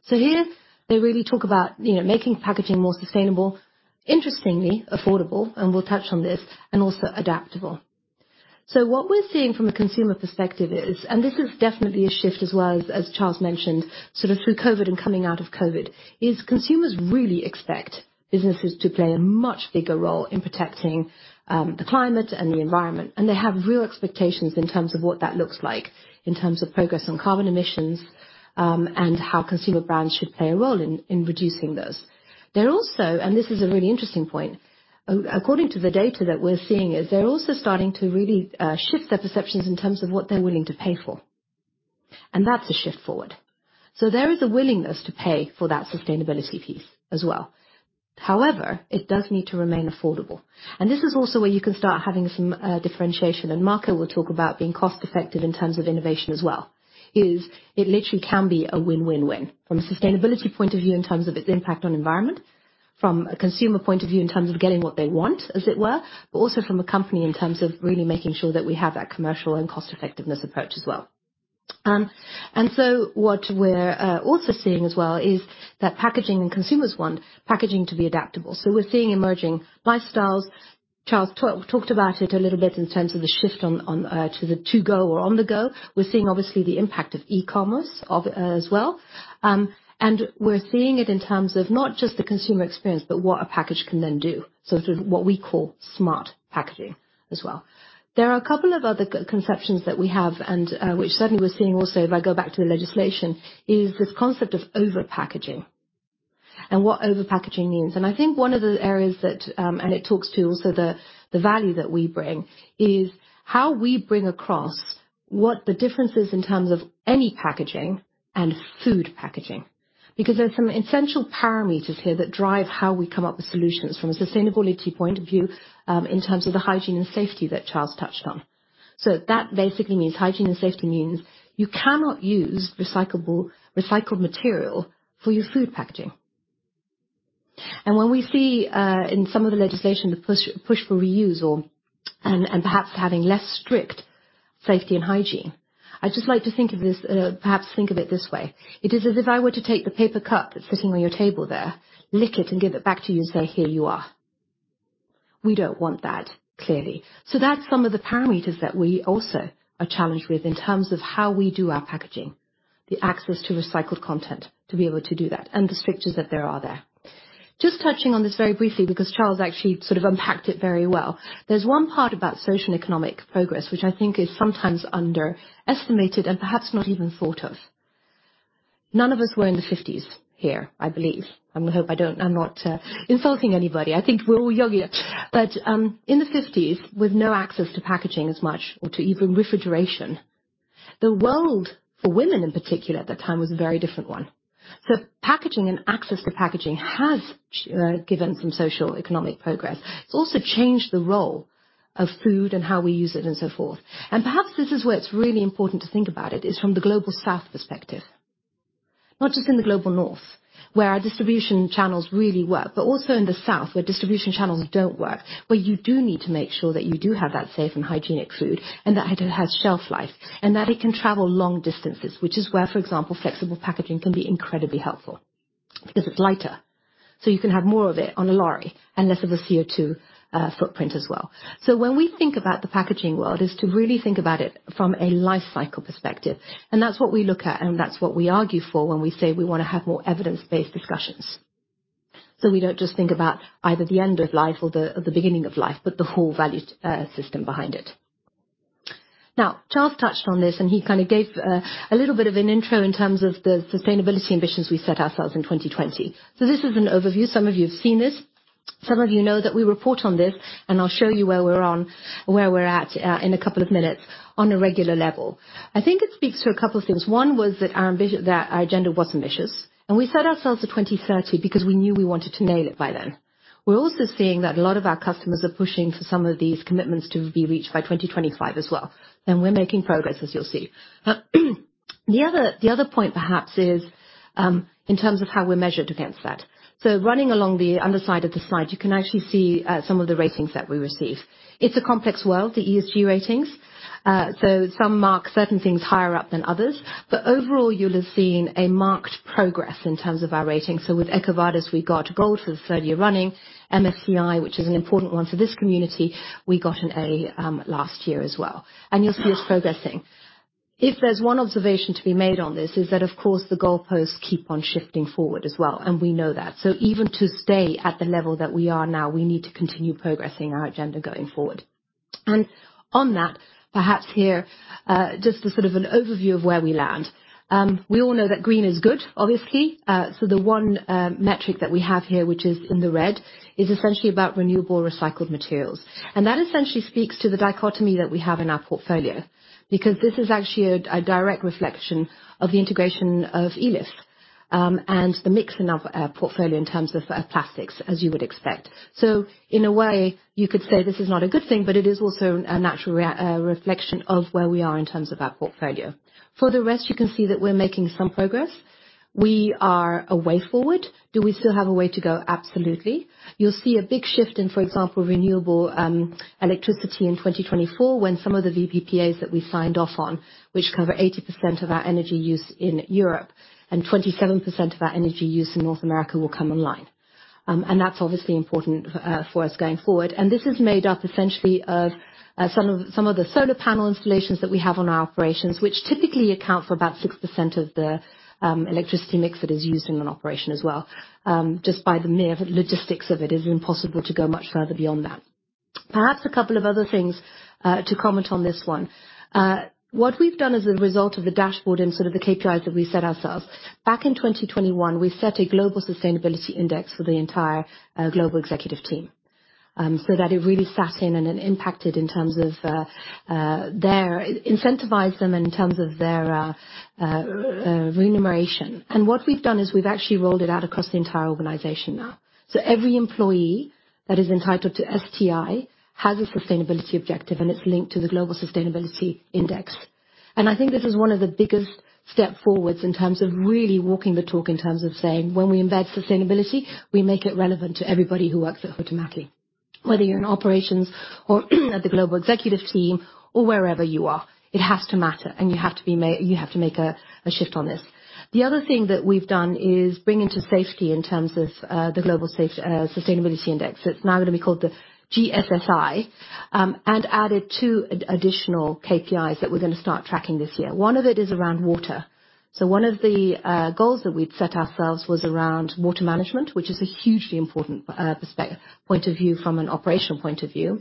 Here they really talk about, you know, making packaging more sustainable, interestingly affordable, and we'll touch on this, and also adaptable. What we're seeing from a consumer perspective is, and this is definitely a shift as well, as Charles mentioned, sort of through COVID and coming out of COVID, is consumers really expect businesses to play a much bigger role in protecting the climate and the environment. They have real expectations in terms of what that looks like in terms of progress on carbon emissions, and how consumer brands should play a role in reducing those. They're also, and this is a really interesting point, according to the data that we're seeing is they're also starting to really shift their perceptions in terms of what they're willing to pay for. That's a shift forward. There is a willingness to pay for that sustainability piece as well. However, it does need to remain affordable. This is also where you can start having some differentiation, and Marco will talk about being cost-effective in terms of innovation as well, is it literally can be a win-win-win from a sustainability point of view in terms of its impact on environment, from a consumer point of view in terms of getting what they want, as it were, but also from a company in terms of really making sure that we have that commercial and cost effectiveness approach as well. What we're also seeing as well is that packaging and consumers want packaging to be adaptable. We're seeing emerging lifestyles. Charles talked about it a little bit in terms of the shift on, to the to-go or on-the-go. We're seeing obviously the impact of e-commerce as well. We're seeing it in terms of not just the consumer experience, but what a package can then do. Sort of what we call smart packaging as well. There are a couple of other good conceptions that we have and which certainly we're seeing also, if I go back to the legislation, is this concept of over-packaging and what over-packaging means. I think one of the areas that, and it talks to also the value that we bring is how we bring across what the difference is in terms of any packaging and food packaging. There are some essential parameters here that drive how we come up with solutions from a sustainability point of view, in terms of the hygiene and safety that Charles touched on. That basically means hygiene and safety means you cannot use recycled material for your food packaging. When we see in some of the legislation, the push for reuse or, and perhaps having less strict safety and hygiene, I'd just like to think of this, perhaps think of it this way. It is as if I were to take the paper cup that's sitting on your table there, lick it and give it back to you and say, "Here you are." We don't want that, clearly. That's some of the parameters that we also are challenged with in terms of how we do our packaging, the access to recycled content to be able to do that and the strictures that there are there. Just touching on this very briefly because Charles actually sort of unpacked it very well. There's one part about social and economic progress, which I think is sometimes underestimated and perhaps not even thought of. None of us were in the 50s here, I believe. I hope I don't, I'm not insulting anybody. I think we're all younger. In the 50s, with no access to packaging as much or to even refrigeration, the world for women in particular at that time was a very different one. Packaging and access to packaging has given some social economic progress. It's also changed the role of food and how we use it and so forth. Perhaps this is where it's really important to think about it, is from the Global South perspective. Not just in the Global North, where our distribution channels really work, but also in the south, where distribution channels don't work, where you do need to make sure that you do have that safe and hygienic food and that it has shelf life, and that it can travel long distances, which is where, for example, flexible packaging can be incredibly helpful because it's lighter, so you can have more of it on a lorry and less of a CO₂ footprint as well. When we think about the packaging world is to really think about it from a life cycle perspective, and that's what we look at and that's what we argue for when we say we want to have more evidence-based discussions. We don't just think about either the end of life or the beginning of life, but the whole value system behind it. Now, Charles touched on this, and he kind of gave a little bit of an intro in terms of the sustainability ambitions we set ourselves in 2020. This is an overview. Some of you have seen this. Some of you know that we report on this, and I'll show you where we're at in a couple of minutes on a regular level. I think it speaks to a couple of things. One was that our agenda was ambitious. We set ourselves for 2030 because we knew we wanted to nail it by then. We're also seeing that a lot of our customers are pushing for some of these commitments to be reached by 2025 as well. We're making progress, as you'll see. The other point perhaps is in terms of how we're measured against that. Running along the underside of the slide, you can actually see some of the ratings that we receive. It's a complex world, the ESG ratings. Some mark certain things higher up than others. Overall, you'll have seen a marked progress in terms of our ratings. With EcoVadis, we got gold for the third year running. MSCI, which is an important one for this community, we got an A, last year as well. You'll see us progressing. If there's one observation to be made on this, is that of course the goalposts keep on shifting forward as well, and we know that. Even to stay at the level that we are now, we need to continue progressing our agenda going forward. On that perhaps here, just a sort of an overview of where we land. We all know that green is good, obviously. The one metric that we have here, which is in the red, is essentially about renewable recycled materials. That essentially speaks to the dichotomy that we have in our portfolio. Because this is actually a direct reflection of the integration of Elif, and the mix in our portfolio in terms of plastics, as you would expect. In a way, you could say this is not a good thing, but it is also a natural reflection of where we are in terms of our portfolio. For the rest, you can see that we're making some progress. We are a way forward. Do we still have a way to go? Absolutely. You'll see a big shift in, for example, renewable electricity in 2024 when some of the VPPAs that we signed off on, which cover 80% of our energy use in Europe and 27% of our energy use in North America will come online. That's obviously important for us going forward. This is made up essentially of some of the solar panel installations that we have on our operations, which typically account for about 6% of the electricity mix that is used in an operation as well. Just by the mere logistics of it is impossible to go much further beyond that. Perhaps a couple of other things to comment on this one. What we've done as a result of the dashboard and sort of the KPIs that we set ourselves, back in 2021, we set a global sustainability index for the entire global executive team so that it really sat in and then impacted in terms of their Incentivized them in terms of their remuneration. What we've done is we've actually rolled it out across the entire organization now. Every employee that is entitled to STI has a sustainability objective, and it's linked to the global sustainability index. I think this is one of the biggest step forwards in terms of really walking the talk, in terms of saying, when we embed sustainability, we make it relevant to everybody who works at Huhtamaki, whether you're in operations or at the global executive team or wherever you are. It has to matter, and you have to make a shift on this. The other thing that we've done is bring into safety in terms of the global safe sustainability index. It's now going to be called the GSSI, and added 2 additional KPIs that we're going to start tracking this year. One of it is around water. One of the goals that we'd set ourselves was around water management, which is a hugely important point of view from an operational point of view.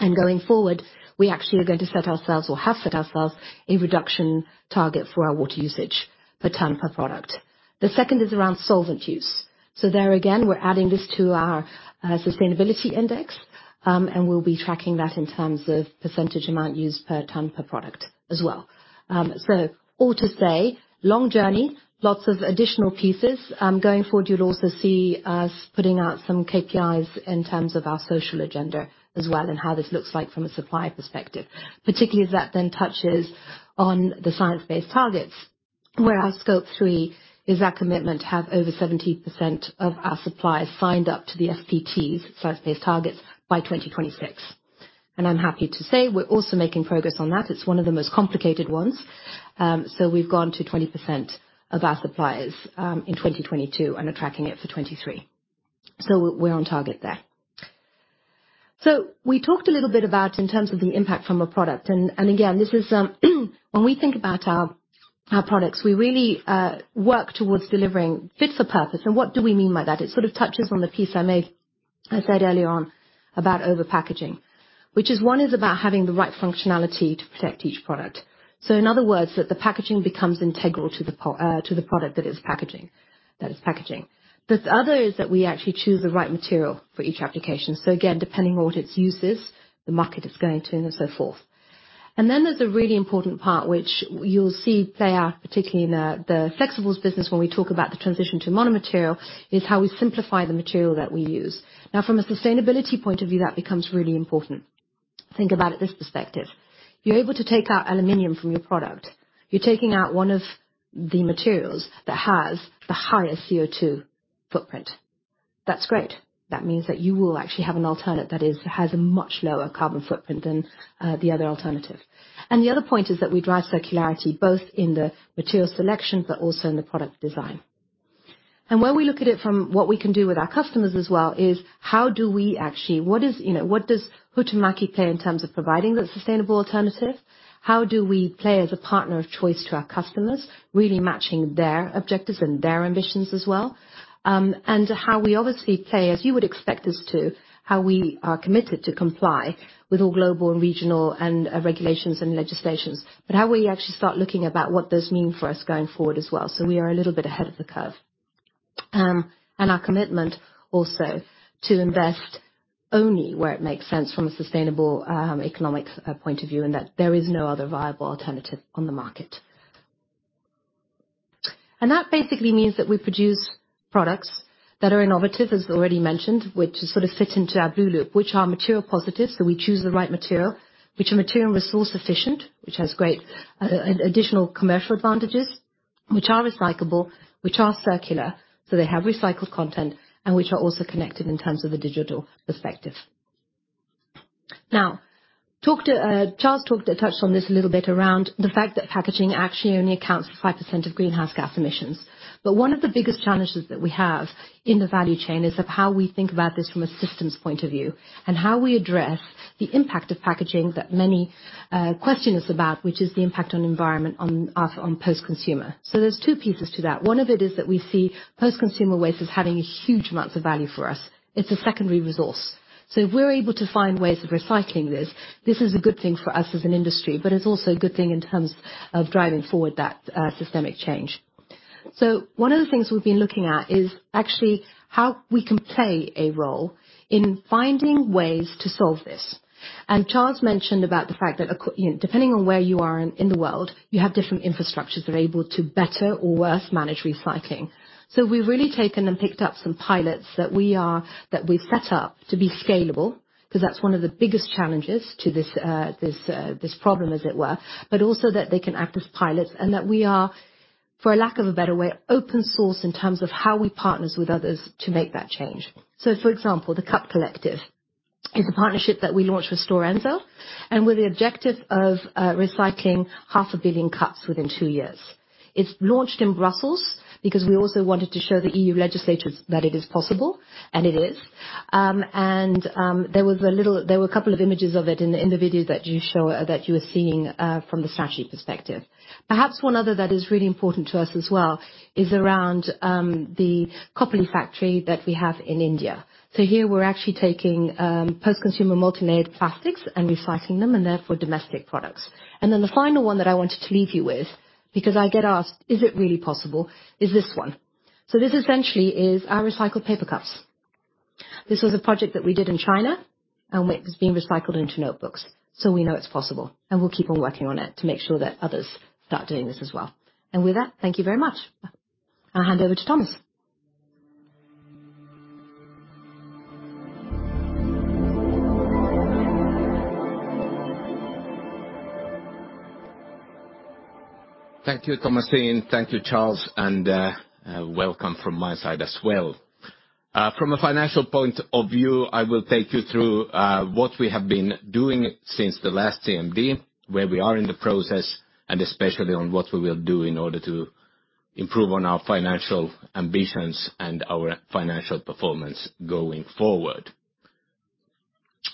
Going forward, we actually are going to set ourselves or have set ourselves a reduction target for our water usage per ton per product. The second is around solvent use. There again, we're adding this to our sustainability index, and we'll be tracking that in terms of % amount used per ton per product as well. All to say, long journey, lots of additional pieces. Going forward, you'll also see us putting out some KPI in terms of our social agenda as well and how this looks like from a supplier perspective, particularly as that then touches on the Science-Based Targets, where our Scope 3 is our commitment to have over 70% of our suppliers signed up to the SBTs, Science-Based Targets, by 2026. I'm happy to say we're also making progress on that. It's one of the most complicated ones. We've gone to 20% of our suppliers in 2022 and are tracking it for 23. We're on target there. We talked a little bit about in terms of the impact from a product, and again, this is when we think about our products, we really work towards delivering fit for purpose. What do we mean by that? It sort of touches on the piece I said earlier on about over-packaging, which is one is about having the right functionality to protect each product. In other words, that the packaging becomes integral to the product that it's packaging. The other is that we actually choose the right material for each application. Again, depending on what its use is, the market it's going to and so forth. Then there's the really important part, which you'll see play out, particularly in the flexibles business when we talk about the transition to mono-material, is how we simplify the material that we use. From a sustainability point of view, that becomes really important. Think about it this perspective, you're able to take out aluminum from your product. You're taking out one of the materials that has the highest CO₂ footprint. That's great. That means that you will actually have an alternate that has a much lower carbon footprint than the other alternative. The other point is that we drive circularity both in the material selection, but also in the product design. When we look at it from what we can do with our customers as well, is what does Huhtamaki play in terms of providing that sustainable alternative? How do we play as a partner of choice to our customers, really matching their objectives and their ambitions as well? How we obviously play, as you would expect us to, how we are committed to comply with all global and regional regulations and legislations, but how we actually start looking about what those mean for us going forward as well. We are a little bit ahead of the curve. Our commitment also to invest only where it makes sense from a sustainable, economic, point of view, and that there is no other viable alternative on the market. That basically means that we produce products that are innovative, as already mentioned, which sort of fit into our blueloop, which are material positive. We choose the right material, which are material and resource efficient, which has great additional commercial advantages, which are recyclable, which are circular, so they have recycled content, and which are also connected in terms of a digital perspective. Now, Charles touched on this a little bit around the fact that packaging actually only accounts for 5% of greenhouse gas emissions. One of the biggest challenges that we have in the value chain is of how we think about this from a systems point of view, and how we address the impact of packaging that many question is about, which is the impact on environment on post-consumer. There's two pieces to that. One of it is that we see post-consumer waste as having huge amounts of value for us. It's a secondary resource. If we're able to find ways of recycling this is a good thing for us as an industry, but it's also a good thing in terms of driving forward that systemic change. One of the things we've been looking at is actually how we can play a role in finding ways to solve this. Charles mentioned about the fact that, you know, depending on where you are in the world, you have different infrastructures that are able to better or worse manage recycling. We've really taken and picked up some pilots that we've set up to be scalable, 'cause that's one of the biggest challenges to this problem, as it were, but also that they can act as pilots and that we are, for a lack of a better way, open source in terms of how we partner with others to make that change. For example, The Cup Collective is a partnership that we launched with Stora Enso, and with the objective of recycling 0.5 billion cups within two years. It's launched in Brussels because we also wanted to show the EU legislators that it is possible, and it is. There were a couple of images of it in the video that you show, that you were seeing, from the strategy perspective. Perhaps one other that is really important to us as well is around the Khopoli factory that we have in India. Here we're actually taking post-consumer multi-layered plastics and recycling them and therefore domestic products. The final one that I wanted to leave you with, because I get asked, "Is it really possible," is this one. This essentially is our recycled paper cups. This was a project that we did in China, and which is being recycled into notebooks. We know it's possible, and we'll keep on working on it to make sure that others start doing this as well. With that, thank you very much. I'll hand over to Thomas. Thank you, Thomasine. Thank you, Charles. Welcome from my side as well. From a financial point of view, I will take you through what we have been doing since the last CMD, where we are in the process, and especially on what we will do in order to improve on our financial ambitions and our financial performance going forward.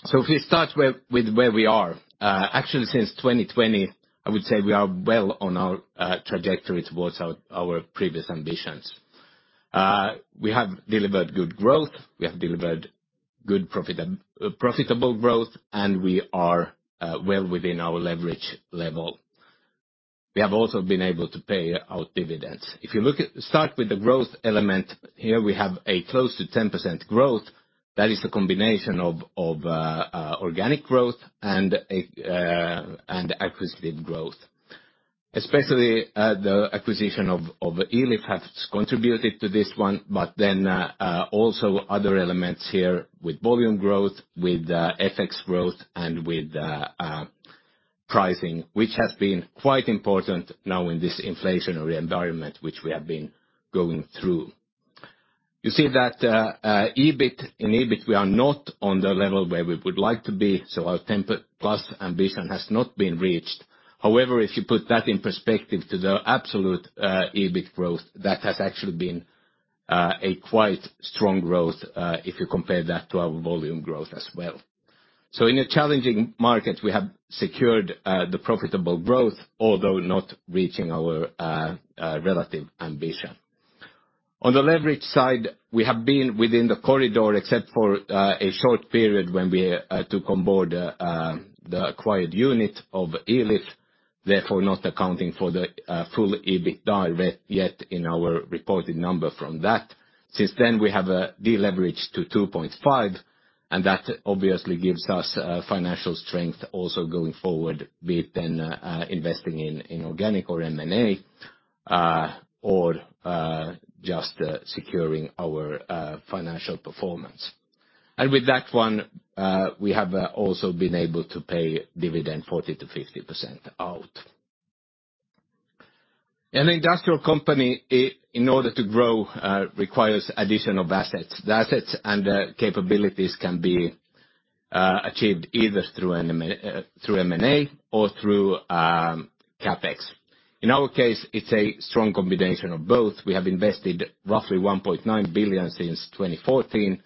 If we start with where we are. Actually, since 2020, I would say we are well on our trajectory towards our previous ambitions. We have delivered good growth, we have delivered good profitable growth, and we are well within our leverage level. We have also been able to pay our dividends. If you start with the growth element, here we have a close to 10% growth. That is a combination of organic growth and acquisitive growth. Especially, the acquisition of Elif has contributed to this one, but then, also other elements here with volume growth, with FX growth, and with pricing, which has been quite important now in this inflationary environment which we have been going through. You see that EBIT. In EBIT, we are not on the level where we would like to be, so our 10 plus ambition has not been reached. However, if you put that in perspective to the absolute, EBIT growth, that has actually been a quite strong growth, if you compare that to our volume growth as well. In a challenging market, we have secured the profitable growth, although not reaching our relative ambition. On the leverage side, we have been within the corridor except for a short period when we took on board the acquired unit of Elif, therefore not accounting for the full EBITDA yet in our reported number from that. Since then, we have a deleverage to 2.5, that obviously gives us financial strength also going forward, be it in investing in organic or M&A, or just securing our financial performance. With that one, we have also been able to pay dividend 40%-50% out. An industrial company in order to grow requires addition of assets. The assets and the capabilities can be achieved either through M&A or through CapEx. In our case, it's a strong combination of both. We have invested roughly 1.9 billion since 2014,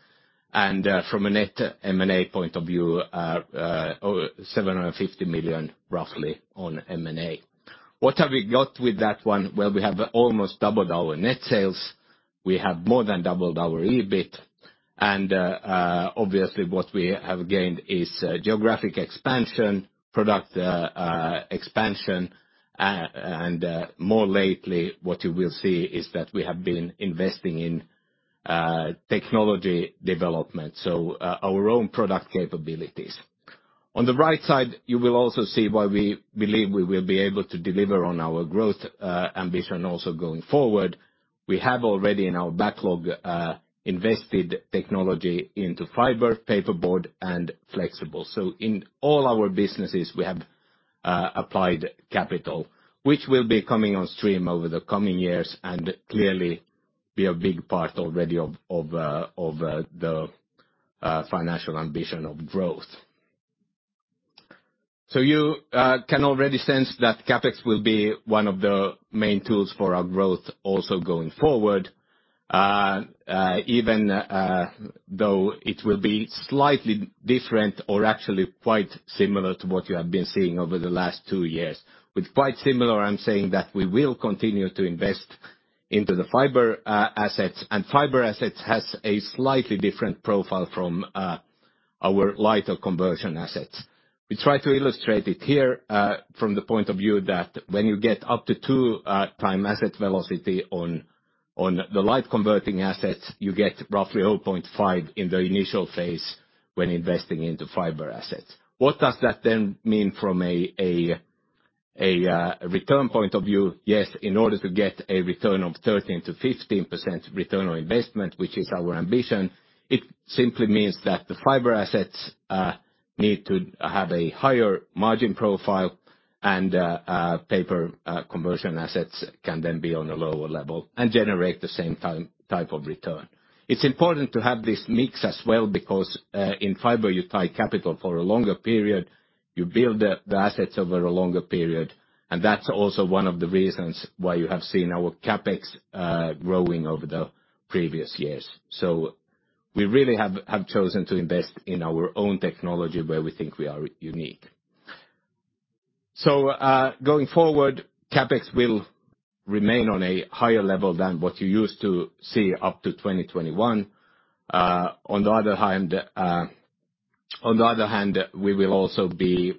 from a net M&A point of view, 750 million roughly on M&A. What have we got with that one? Well, we have almost doubled our net sales. We have more than doubled our EBIT. Obviously, what we have gained is geographic expansion, product expansion. More lately, what you will see is that we have been investing in technology development, so our own product capabilities. On the right side, you will also see why we believe we will be able to deliver on our growth ambition also going forward. We have already in our backlog, invested technology into fiber, paper board, and flexible. In all our businesses, we have applied capital, which will be coming on stream over the coming years and clearly be a big part already of the financial ambition of growth. You can already sense that CapEx will be one of the main tools for our growth also going forward, even though it will be slightly different or actually quite similar to what you have been seeing over the last two years. With quite similar, I'm saying that we will continue to invest into the fiber assets. Fiber assets has a slightly different profile from our lighter conversion assets. We try to illustrate it here, from the point of view that when you get up to two time asset velocity on the light converting assets, you get roughly 0.5 in the initial phase when investing into fiber assets. What does that then mean from a return point of view? Yes, in order to get a return of 13%-15% return on investment, which is our ambition, it simply means that the fiber assets need to have a higher margin profile and paper conversion assets can then be on a lower level and generate the same type of return. It's important to have this mix as well because, in fiber, you tie capital for a longer period, you build the assets over a longer period, and that's also one of the reasons why you have seen our CapEx growing over the previous years. We really have chosen to invest in our own technology where we think we are unique. Going forward, CapEx will remain on a higher level than what you used to see up to 2021. On the other hand, on the other hand, we will also be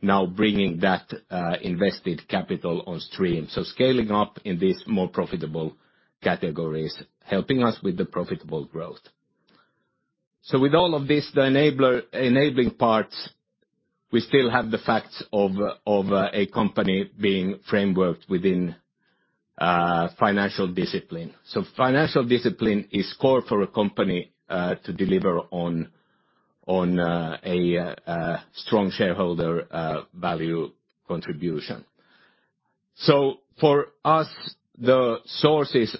now bringing that invested capital on stream. Scaling up in these more profitable categories, helping us with the profitable growth. With all of this, the enabling parts, we still have the facts of a company being frameworked within financial discipline. Financial discipline is core for a company to deliver on strong shareholder value contribution. For us, the sources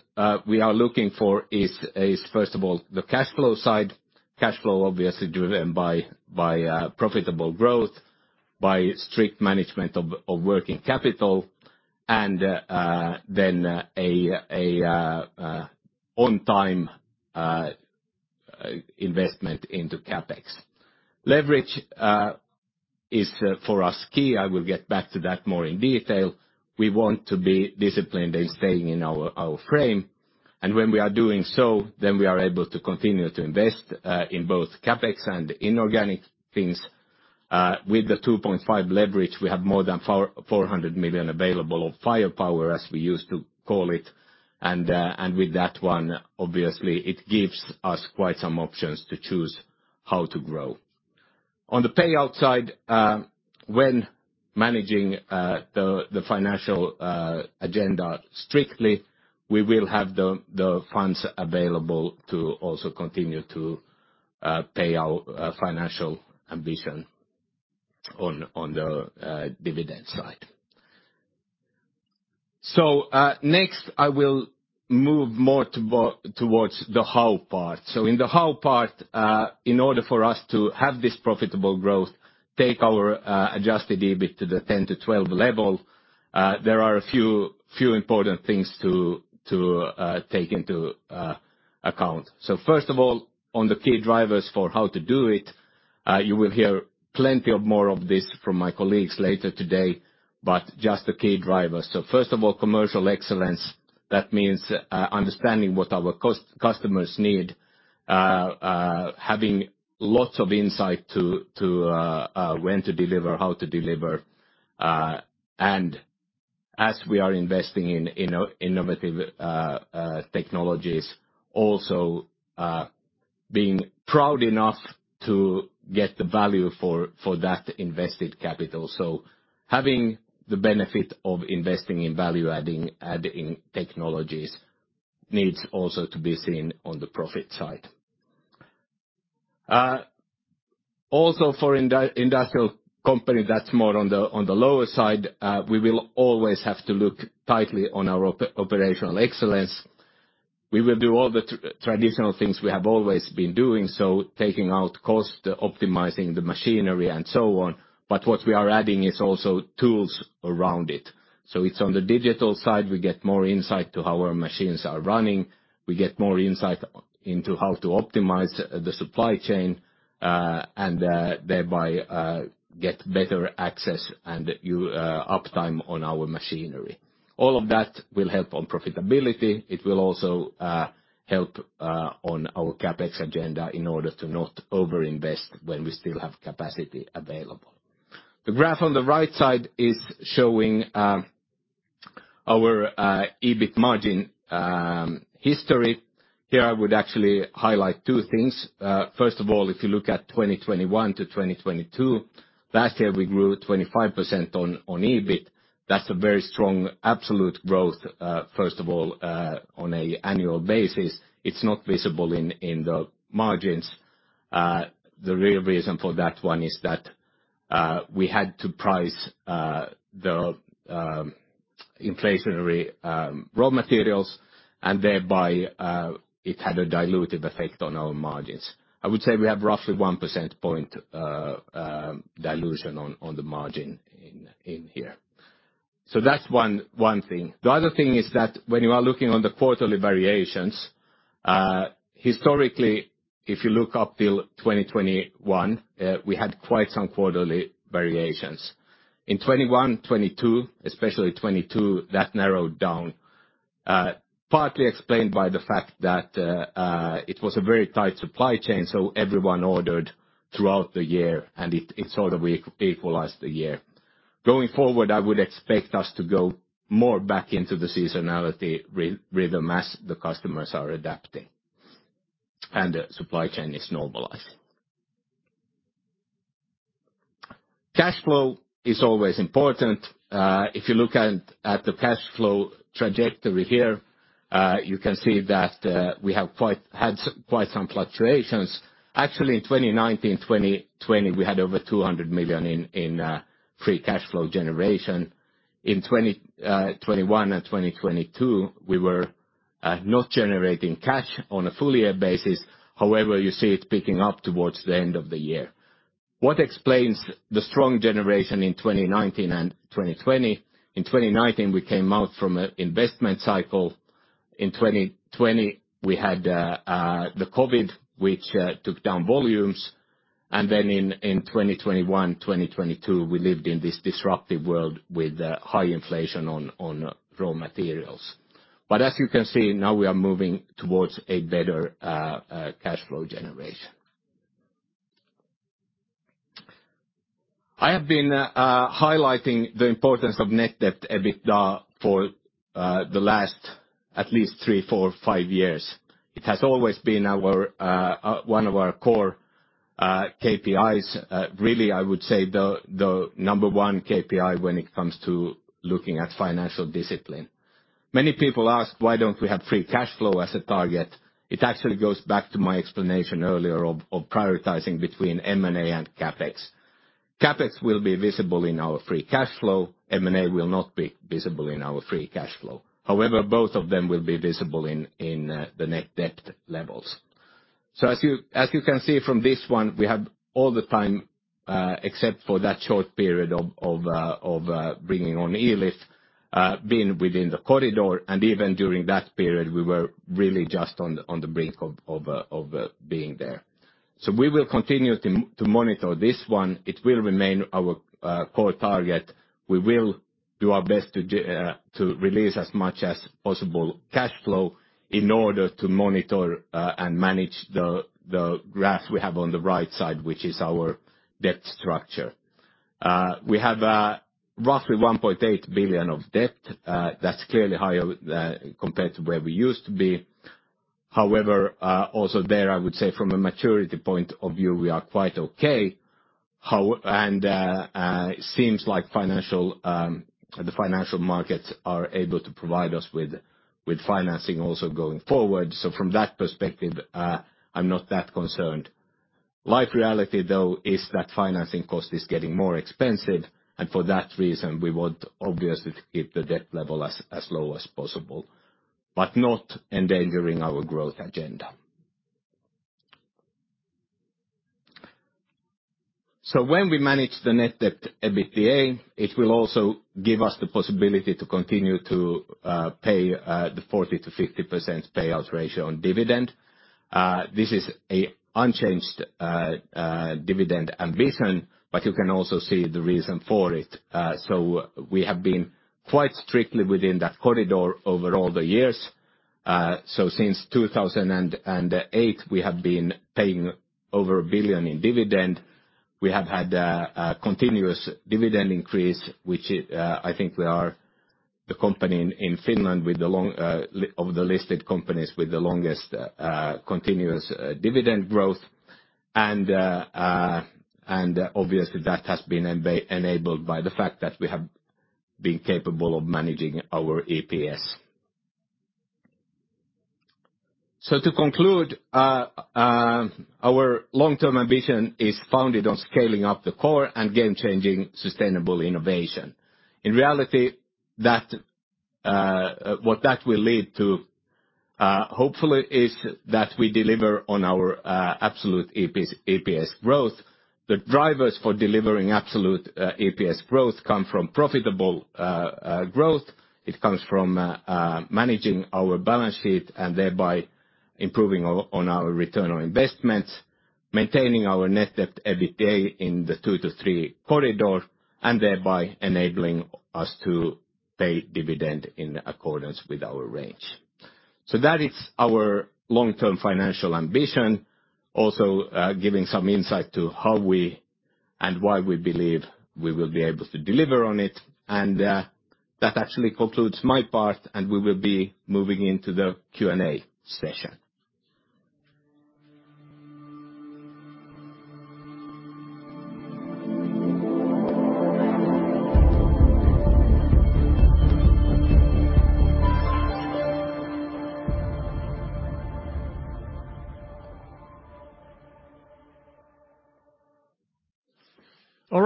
we are looking for is first of all, the cash flow side. Cash flow, obviously, driven by profitable growth, by strict management of working capital, and then on time investment into CapEx. Leverage is for us key. I will get back to that more in detail. We want to be disciplined in staying in our frame. When we are doing so, then we are able to continue to invest in both CapEx and inorganic things. With the 2.5 leverage, we have more than 400 million available of firepower, as we used to call it. With that one, obviously, it gives us quite some options to choose how to grow. On the payout side, when managing the financial agenda strictly, we will have the funds available to also continue to pay our financial ambition on the dividend side. Next, I will move more towards the how part. In the how part, in order for us to have this profitable growth, take our adjusted EBIT to the 10 to 12 level, there are a few important things to take into account. First of all, on the key drivers for how to do it, you will hear plenty of more of this from my colleagues later today, but just the key drivers. First of all, commercial excellence. That means understanding what our customers need, having lots of insight to, when to deliver, how to deliver. As we are investing in innovative technologies also. Being proud enough to get the value for that invested capital. Having the benefit of investing in value adding technologies needs also to be seen on the profit side. For industrial company that's more on the lower side, we will always have to look tightly on our operational excellence. We will do all the traditional things we have always been doing, so taking out cost, optimizing the machinery and so on. What we are adding is also tools around it. It's on the digital side, we get more insight to how our machines are running. We get more insight into how to optimize the supply chain, and thereby, get better access and uptime on our machinery. All of that will help on profitability. It will also help on our CapEx agenda in order to not over-invest when we still have capacity available. The graph on the right side is showing our EBIT margin history. Here, I would actually highlight two things. First of all, if you look at 2021 to 2022, last year we grew 25% on EBIT. That's a very strong absolute growth, first of all, on a annual basis. It's not visible in the margins. The real reason for that one is that we had to price the inflationary raw materials, and thereby, it had a dilutive effect on our margins. I would say we have roughly 1 percentage point dilution on the margin in here. That's one thing. The other thing is that when you are looking on the quarterly variations, historically, if you look up till 2021, we had quite some quarterly variations. In 2021, 2022, especially 2022, that narrowed down, partly explained by the fact that it was a very tight supply chain, so everyone ordered throughout the year, and it sort of equalized the year. Going forward, I would expect us to go more back into the seasonality rhythm as the customers are adapting and the supply chain is normalizing. Cash flow is always important. If you look at the cash flow trajectory here, you can see that we had quite some fluctuations. Actually, in 2019, 2020, we had over 200 million in free cash flow generation. In 2021 and 2022, we were not generating cash on a full year basis. However, you see it picking up towards the end of the year. What explains the strong generation in 2019 and 2020? In 2019, we came out from an investment cycle. In 2020, we had the COVID, which took down volumes. Then in 2021, 2022, we lived in this disruptive world with high inflation on raw materials. As you can see, now we are moving towards a better cash flow generation. I have been highlighting the importance of net debt EBITDA for the last at least 3, 4, 5 years. It has always been our one of our core KPIs. Really, I would say the number one KPI when it comes to looking at financial discipline. Many people ask, why don't we have free cash flow as a target? It actually goes back to my explanation earlier of prioritizing between M&A and CapEx. CapEx will be visible in our free cash flow. M&A will not be visible in our free cash flow. However, both of them will be visible in the net debt levels. As you can see from this one, we have all the time, except for that short period of bringing on Elif, being within the corridor. Even during that period, we were really just on the brink of being there. We will continue to monitor this one. It will remain our core target. We will do our best to release as much as possible cash flow in order to monitor and manage the graphs we have on the right side, which is our debt structure. We have roughly 1.8 billion of debt. That's clearly higher compared to where we used to be. However, also there, I would say from a maturity point of view, we are quite okay. Seems like financial, the financial markets are able to provide us with financing also going forward. From that perspective, I'm not that concerned. Life reality, though, is that financing cost is getting more expensive. For that reason, we want obviously to keep the debt level as low as possible, but not endangering our growth agenda. When we manage the net debt EBITDA, it will also give us the possibility to continue to pay the 40%-50% payout ratio on dividend. This is a unchanged dividend ambition, but you can also see the reason for it. We have been quite strictly within that corridor over all the years. Since 2008, we have been paying over 1 billion in dividend. We have had a continuous dividend increase, which I think we are the company in Finland with the longest continuous dividend growth. And obviously that has been enabled by the fact that we have been capable of managing our EPS. To conclude, our long-term ambition is founded on scaling up the core and game-changing sustainable innovation. In reality, what that will lead to, hopefully is that we deliver on our absolute EPS growth. The drivers for delivering absolute EPS growth come from profitable growth. It comes from managing our balance sheet and thereby improving on our return on investments, maintaining our net debt EBITDA in the 2 to 3 corridor, and thereby enabling us to pay dividend in accordance with our range. That is our long-term financial ambition. Also, giving some insight to how we and why we believe we will be able to deliver on it. That actually concludes my part, and we will be moving into the Q&A session.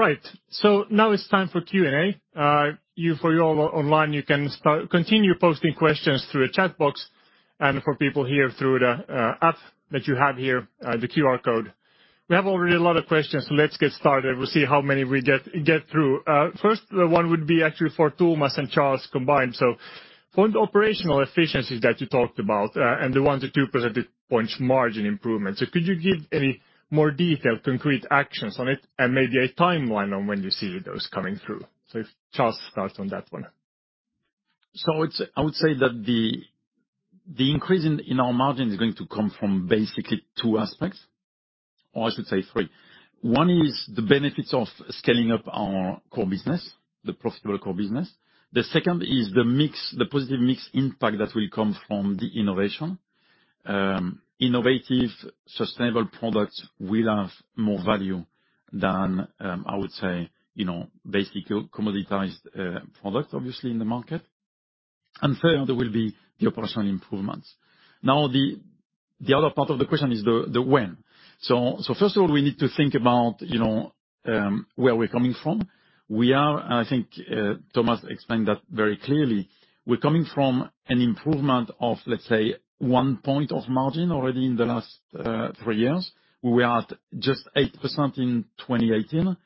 All right, now it's time for Q&A. You, for you all online, you can continue posting questions through the chat box, and for people here through the app that you have here, the QR code. We have already a lot of questions. Let's get started. We'll see how many we get through. First one would be actually for Thomas and Charles combined. For the operational efficiencies that you talked about, and the 1-2 percentage points margin improvement. Could you give any more detailed, concrete actions on it and maybe a timeline on when you see those coming through? If Charles starts on that one. I would say that the increase in our margin is going to come from basically two aspects, or I should say three. One is the benefits of scaling up our core business, the profitable core business. The second is the mix, the positive mix impact that will come from the innovation. Innovative, sustainable products will have more value than, I would say, you know, basic commoditized products, obviously, in the market. Third, there will be the operational improvements. The other part of the question is the when. First of all, we need to think about, you know, where we're coming from. We are, and I think, Thomas explained that very clearly. We're coming from an improvement of, let's say, one point of margin already in the last three years. We are at just 8% in 2018.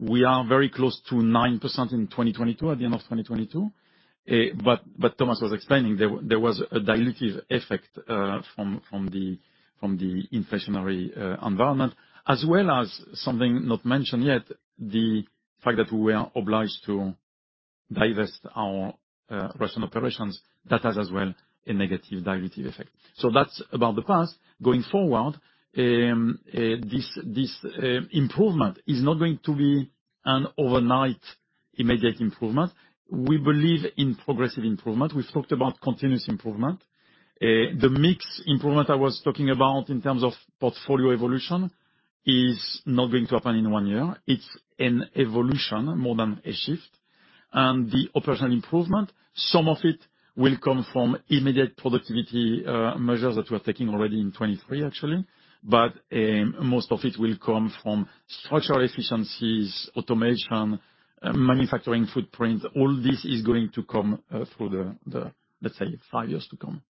We are very close to 9% in 2022, at the end of 2022. But Thomas was explaining there was a dilutive effect from the inflationary environment. As well as something not mentioned yet, the fact that we were obliged to divest our Russian operations, that has as well a negative dilutive effect. That's about the past. Going forward, this improvement is not going to be an overnight immediate improvement. We believe in progressive improvement. We've talked about continuous improvement. The mix improvement I was talking about in terms of portfolio evolution is not going to happen in 1 year. It's an evolution more than a shift. The operational improvement, some of it will come from immediate productivity, measures that we're taking already in 23, actually. Most of it will come from structural efficiencies, automation, manufacturing footprint. All this is going to come, through the, let's say, 5 years to come.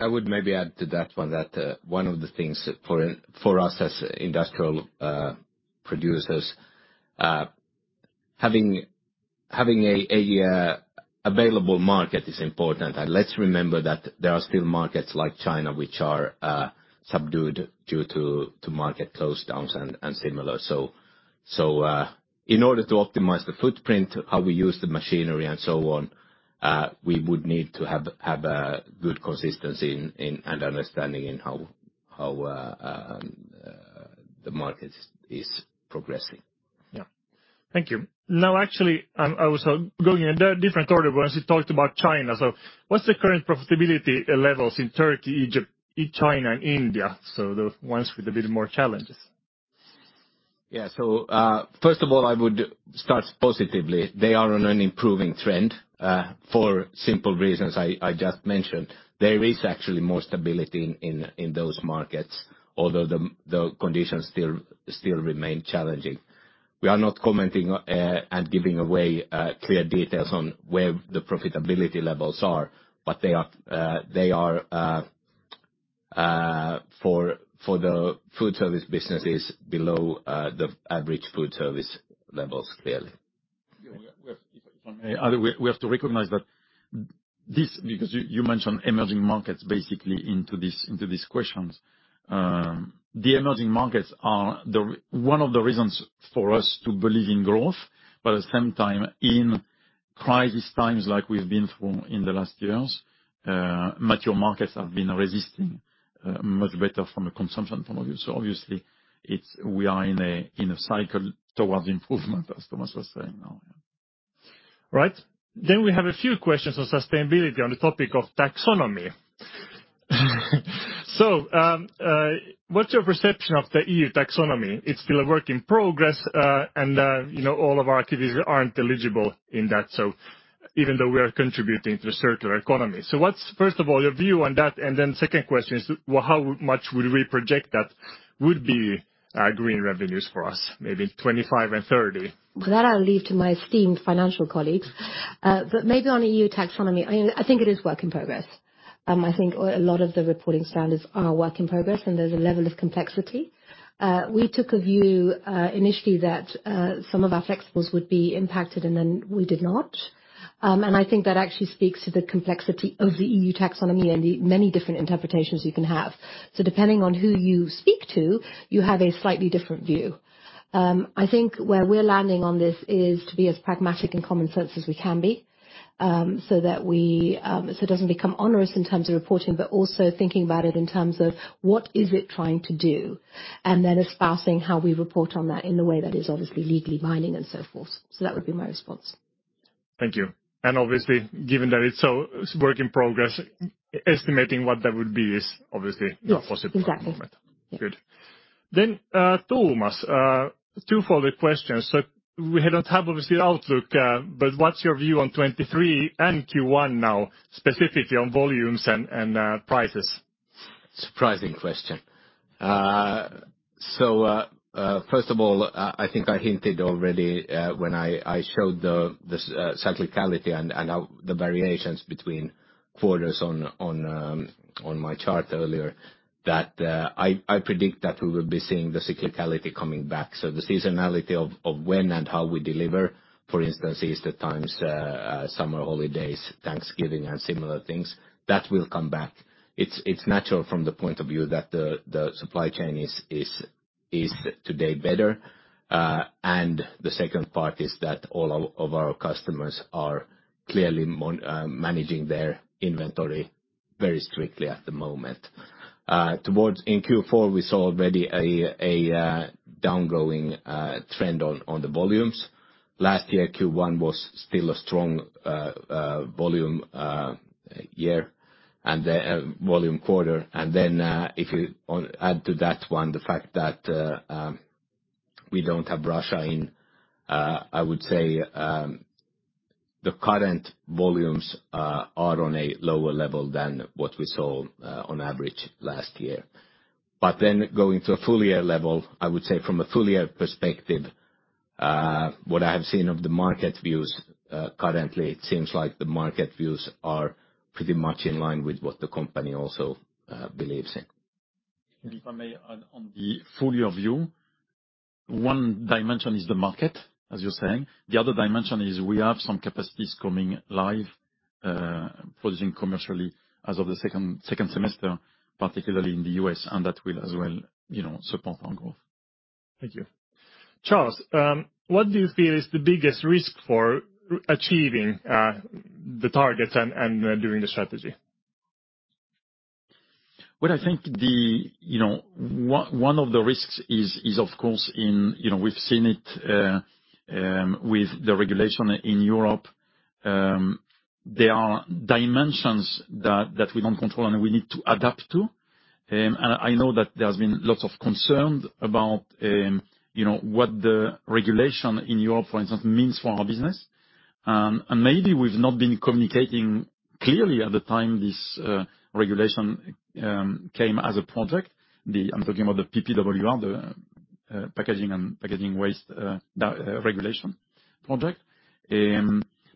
I would maybe add to that one that one of the things for us as industrial producers, having a available market is important. Let's remember that there are still markets like China, which are subdued due to market closedowns and similar. In order to optimize the footprint, how we use the machinery and so on, we would need to have a good consistency in and understanding in how the market is progressing. Yeah. Thank you. Actually, I was going in a different order, but as you talked about China, what's the current profitability levels in Turkey, Egypt, China and India? The ones with a bit more challenges. First of all, I would start positively. They are on an improving trend, for simple reasons I just mentioned. There is actually more stability in those markets, although the conditions still remain challenging. We are not commenting and giving away clear details on where the profitability levels are, but they are, they are for the food service businesses below the average food service levels, clearly. If I may. We have to recognize that because you mentioned emerging markets basically into this, into these questions. The emerging markets are one of the reasons for us to believe in growth, but at the same time, in crisis times like we've been through in the last years, mature markets have been resisting much better from a consumption point of view. Obviously, we are in a, in a cycle towards improvement, as Thomas was saying. Oh, yeah. Right. We have a few questions on sustainability on the topic of taxonomy. What's your perception of the EU taxonomy? It's still a work in progress. You know, all of our activities aren't eligible in that, so even though we are contributing to the circular economy. What's, first of all, your view on that, and then second question is, well, how much would we project that would be, green revenues for us, maybe in 2025 and 2030? That I'll leave to my esteemed financial colleagues. Maybe on EU taxonomy, I think it is work in progress. I think a lot of the reporting standards are a work in progress, and there's a level of complexity. We took a view, initially that, some of our flexes would be impacted, and then we did not. I think that actually speaks to the complexity of the EU taxonomy and the many different interpretations you can have. Depending on who you speak to, you have a slightly different view. I think where we're landing on this is to be as pragmatic and common sense as we can be, so that we, so it doesn't become onerous in terms of reporting, but also thinking about it in terms of what is it trying to do, and then espousing how we report on that in the way that is obviously legally binding and so forth. That would be my response. Thank you. Obviously, given that it's work in progress, estimating what that would be is obviously not possible at the moment. Yes, exactly. Good. Thomas, twofold question. We don't have obviously outlook, but what's your view on 2023 and Q1 now, specifically on volumes and prices? Surprising question. First of all, I think I hinted already when I showed the cyclicality and the variations between quarters on my chart earlier, that I predict that we will be seeing the cyclicality coming back. The seasonality of when and how we deliver, for instance, is the times, summer holidays, Thanksgiving, and similar things. That will come back. It's natural from the point of view that the supply chain is today better. The second part is that all of our customers are clearly managing their inventory very strictly at the moment. Towards in Q4, we saw already a downgoing trend on the volumes. Last year, Q1 was still a strong volume year and volume quarter. If you add to that one the fact that we don't have Russia in, I would say the current volumes are on a lower level than what we saw on average last year. Going to a full year level, I would say from a full year perspective, what I have seen of the market views currently, it seems like the market views are pretty much in line with what the company also believes in. If I may add on the full year view, one dimension is the market, as you're saying. The other dimension is we have some capacities coming live, producing commercially as of the second semester, particularly in the U.S., and that will as well, you know, support our growth. Thank you. Charles, what do you feel is the biggest risk for achieving the targets and doing the strategy? Well, I think the, you know, one of the risks is of course in, you know, we've seen it with the regulation in Europe. There are dimensions that we don't control and we need to adapt to. I know that there's been lots of concern about, you know, what the regulation in Europe, for instance, means for our business. Maybe we've not been communicating clearly at the time this regulation came as a project. I'm talking about the PPWR, the packaging and packaging waste regulation project.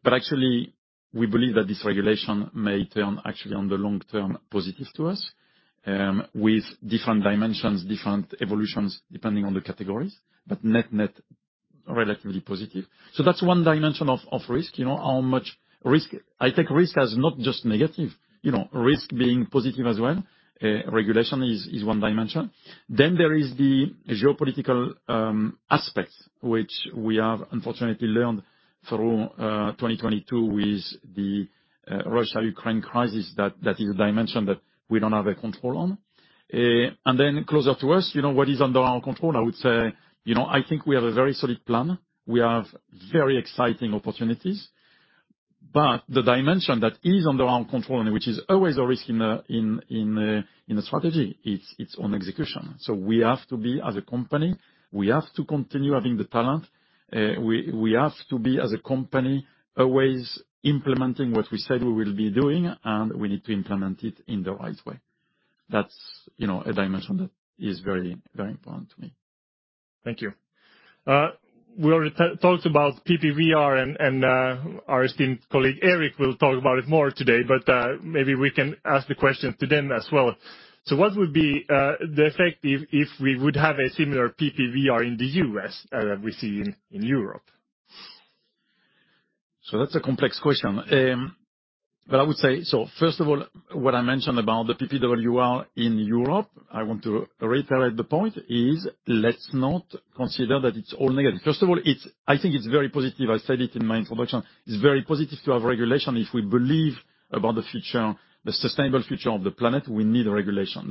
Actually, we believe that this regulation may turn actually on the long-term positive to us, with different dimensions, different evolutions, depending on the categories, but net-net, relatively positive. That's one dimension of risk. You know, how much risk... I take risk as not just negative, you know, risk being positive as well. Regulation is one dimension. There is the geopolitical aspect, which we have unfortunately learned through 2022 with the Russia-Ukraine crisis that that is a dimension that we don't have a control on. Closer to us, you know, what is under our control, I would say, you know, I think we have a very solid plan. We have very exciting opportunities. The dimension that is under our control and which is always a risk in a strategy is on execution. We have to be, as a company, we have to continue having the talent. We have to be, as a company, always implementing what we said we will be doing, and we need to implement it in the right way. That's, you know, a dimension that is very, very important to me. Thank you. We already talked about PPWR and our esteemed colleague, Eric, will talk about it more today, but maybe we can ask the question to them as well. What would be the effect if we would have a similar PPWR in the U.S. as we see in Europe? That's a complex question. I would say. First of all, what I mentioned about the PPWR in Europe, I want to reiterate the point: let's not consider that it's all negative. First of all, I think it's very positive. I said it in my introduction. It's very positive to have regulation. If we believe about the future, the sustainable future of the planet, we need regulation.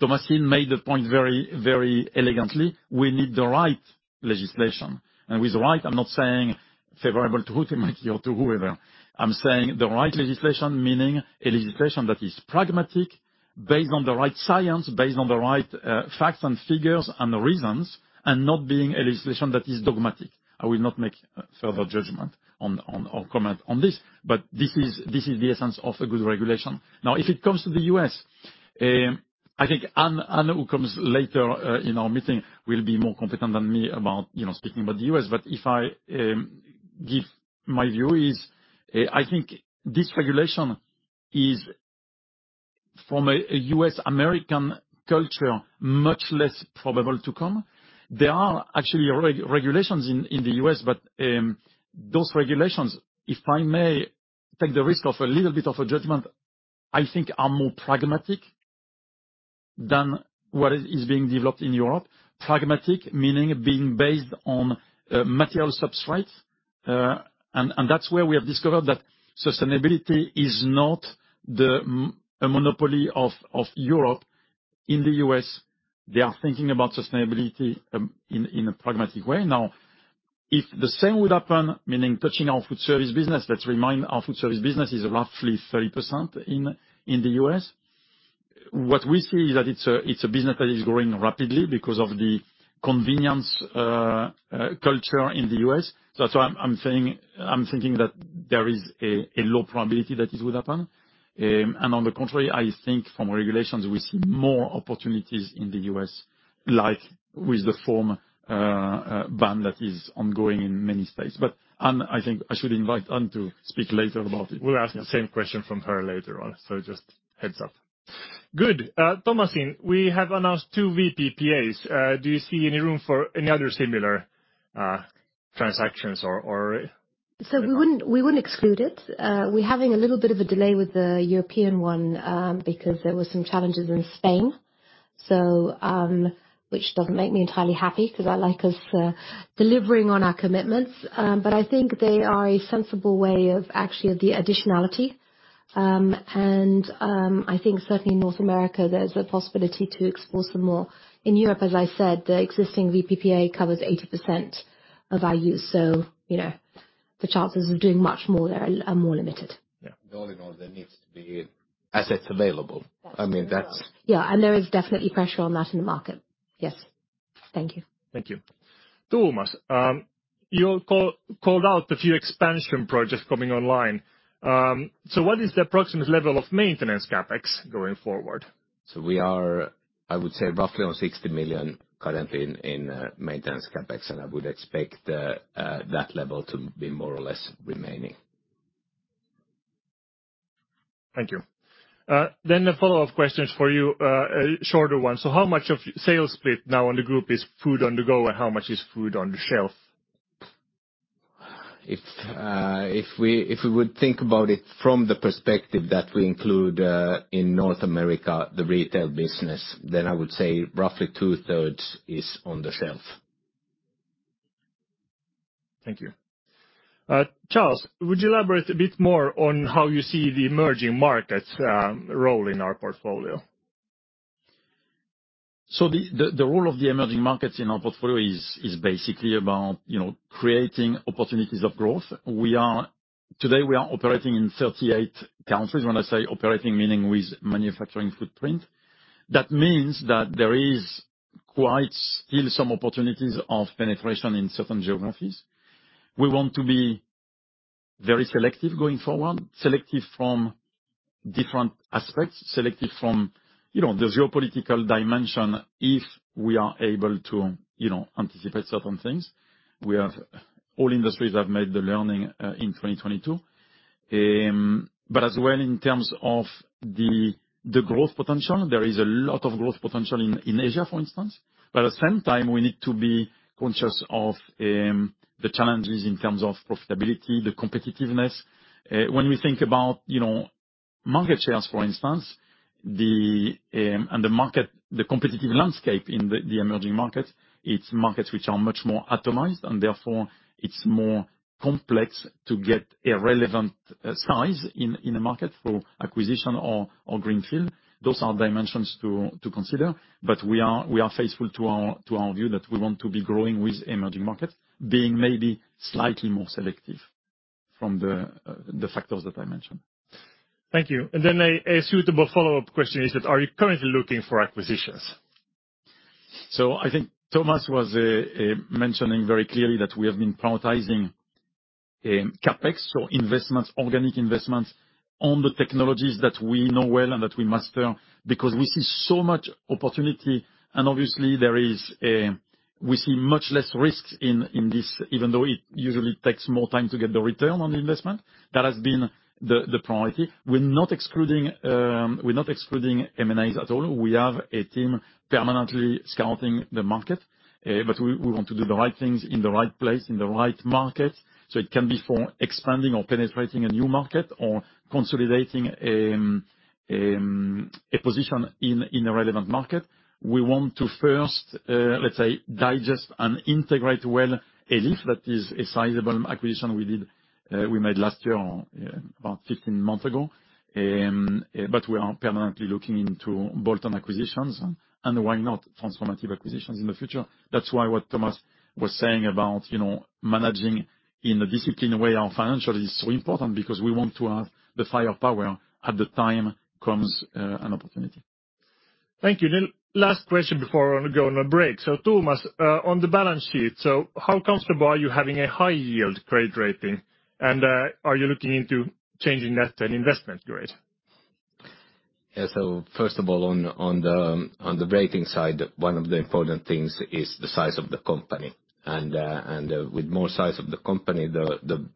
Thomasine made the point very, very elegantly. We need the right legislation. With right, I'm not saying favorable to Huhtamäki or to whoever. I'm saying the right legislation, meaning a legislation that is pragmatic, based on the right science, based on the right facts and figures and reasons, and not being a legislation that is dogmatic. I will not make further judgment on or comment on this. This is the essence of a good regulation. If it comes to the U.S., I think Anne who comes later in our meeting will be more competent than me about, you know, speaking about the U.S. If I give my view is, I think this regulation is from a U.S. American culture, much less probable to come. There are actually regulations in the U.S., but those regulations, if I may take the risk of a little bit of a judgment, I think are more pragmatic than what is being developed in Europe. Pragmatic, meaning being based on material substrates. That's where we have discovered that sustainability is not a monopoly of Europe. In the US, they are thinking about sustainability, in a pragmatic way. If the same would happen, meaning touching our food service business. Let's remind our food service business is roughly 30% in the US. What we see is that it's a business that is growing rapidly because of the convenience culture in the US. That's why I'm thinking that there is a low probability that this would happen. On the contrary, I think from regulations, we see more opportunities in the US, like with the form ban that is ongoing in many states. Anne, I think I should invite Anne to speak later about it. We'll ask the same question from her later on, just heads up. Good. Thomasine, we have announced 2 VPPA. Do you see any room for any other similar transactions or? We wouldn't exclude it. We're having a little bit of a delay with the European one because there were some challenges in Spain. Doesn't make me entirely happy 'cause I like us delivering on our commitments. I think they are a sensible way of actually the additionality. I think certainly in North America, there's a possibility to explore some more. In Europe, as I said, the existing VPPA covers 80% of our use. You know, the chances of doing much more there are more limited. Yeah. All in all, there needs to be assets available. Yeah, there is definitely pressure on that in the market. Yes. Thank you. Thank you. Thomas, you called out a few expansion projects coming online. What is the approximate level of maintenance CapEx going forward? We are, I would say, roughly on 60 million currently in maintenance CapEx, and I would expect that level to be more or less remaining. Thank you. A follow-up question for you. A shorter one. How much of sales split now on the group is food on the go, and how much is food on the shelf? If we would think about it from the perspective that we include in North America, the retail business, then I would say roughly two-thirds is on the shelf. Thank you. Charles, would you elaborate a bit more on how you see the emerging markets, role in our portfolio? The role of the emerging markets in our portfolio is basically about, you know, creating opportunities of growth. Today, we are operating in 38 countries. When I say operating, meaning with manufacturing footprint. That means that there is quite still some opportunities of penetration in certain geographies. We want to be very selective going forward, selective from different aspects, selective from, you know, the geopolitical dimension if we are able to, you know, anticipate certain things. All industries have made the learning in 2022. As well in terms of the growth potential, there is a lot of growth potential in Asia, for instance. At the same time, we need to be conscious of the challenges in terms of profitability, the competitiveness. When we think about, you know, market shares, for instance, the competitive landscape in the emerging markets, it's markets which are much more atomized, and therefore it's more complex to get a relevant size in a market for acquisition or greenfield. Those are dimensions to consider. We are faithful to our view that we want to be growing with emerging markets, being maybe slightly more selective from the factors that I mentioned. Thank you. A suitable follow-up question is that, are you currently looking for acquisitions? I think Thomas was mentioning very clearly that we have been prioritizing CapEx, so investments, organic investments on the technologies that we know well and that we master. Because we see so much opportunity and obviously we see much less risks in this even though it usually takes more time to get the return on the investment. That has been the priority. We're not excluding M&A at all. We have a team permanently scouting the market, but we want to do the right things in the right place, in the right market, so it can be for expanding or penetrating a new market or consolidating a position in a relevant market. We want to first, let's say digest and integrate well Elif. That is a sizable acquisition we did, we made last year or about 15 months ago. We are permanently looking into bolt-on acquisitions and why not transformative acquisitions in the future. That's why what Thomas was saying about, you know, managing in a disciplined way our financial is so important because we want to have the firepower at the time comes, an opportunity. Thank you. The last question before I go on a break. Thomas, on the balance sheet, so how comfortable are you having a high yield credit rating? Are you looking into changing that and investment grade? First of all on the rating side, one of the important things is the size of the company. With more size of the company, the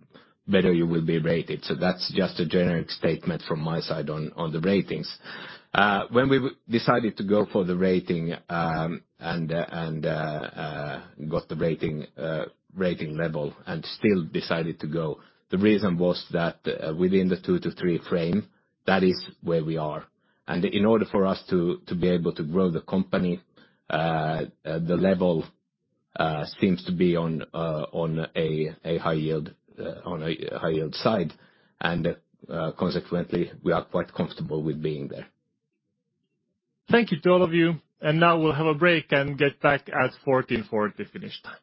better you will be rated. That's just a generic statement from my side on the ratings. When we decided to go for the rating and got the rating level and still decided to go, the reason was that within the 2 to 3 frame, that is where we are. In order for us to be able to grow the company, the level seems to be on a high yield side. Consequently, we are quite comfortable with being there. Thank you to all of you. Now we'll have a break and get back at 2:40 P.M. Finnish time.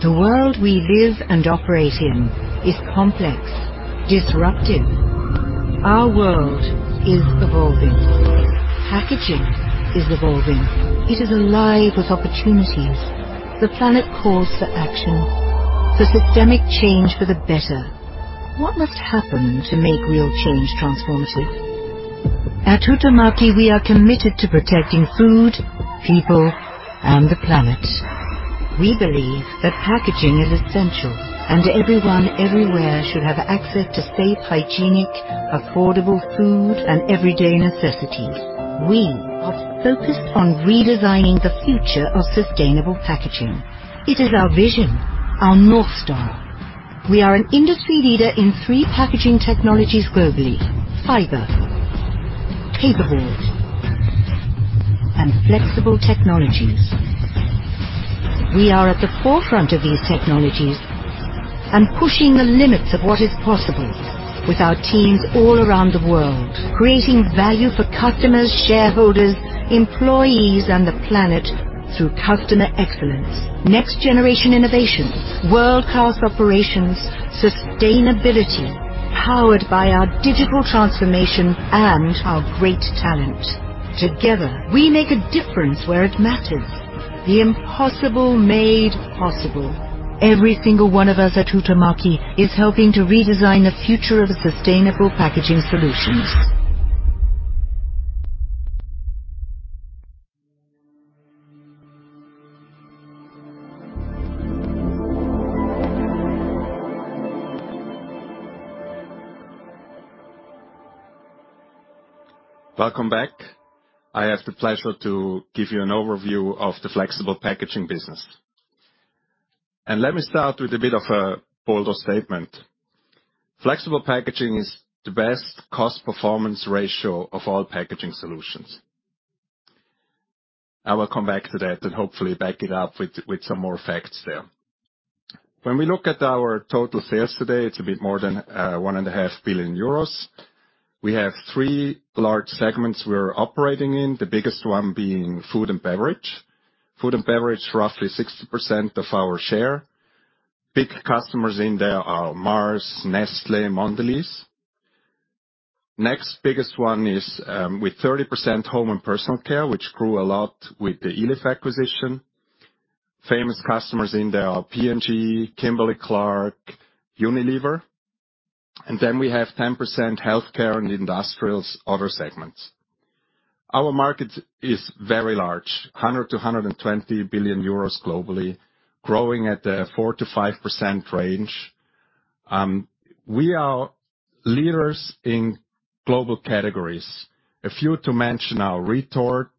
The world we live and operate in is complex, disruptive. Our world is evolving. Packaging is evolving. It is alive with opportunities. The planet calls for action. For systemic change for the better. What must happen to make real change transformative? At Huhtamaki, we are committed to protecting food, people, and the planet. We believe that packaging is essential, and everyone everywhere should have access to safe, hygienic, affordable food and everyday necessities. We are focused on redesigning the future of sustainable packaging. It is our vision, our North Star. We are an industry leader in three packaging technologies globally: fiber, paperboard, and flexible technologies. We are at the forefront of these technologies and pushing the limits of what is possible with our teams all around the world, creating value for customers, shareholders, employees, and the planet through customer excellence. Next generation innovations, world-class operations, sustainability, powered by our digital transformation and our great talent. Together, we make a difference where it matters. The impossible made possible. Every single one of us at Huhtamaki is helping to redesign the future of sustainable packaging solutions. Welcome back. I have the pleasure to give you an overview of the flexible packaging business. Let me start with a bit of a bolder statement. Flexible packaging is the best cost-performance ratio of all packaging solutions. I will come back to that and hopefully back it up with some more facts there. When we look at our total sales today, it's a bit more than 1.5 billion euros. We have three large segments we're operating in, the biggest one being food and beverage. Food and beverage, roughly 60% of our share. Big customers in there are Mars, Nestlé, Mondelēz. Next biggest one is with 30% home and personal care, which grew a lot with the Elif acquisition. Famous customers in there are P&G, Kimberly-Clark, Unilever. Then we have 10% healthcare and industrials, other segments. Our market is very large, 100 billion-120 billion euros globally, growing at a 4%-5% range. We are leaders in global categories. A few to mention are retort,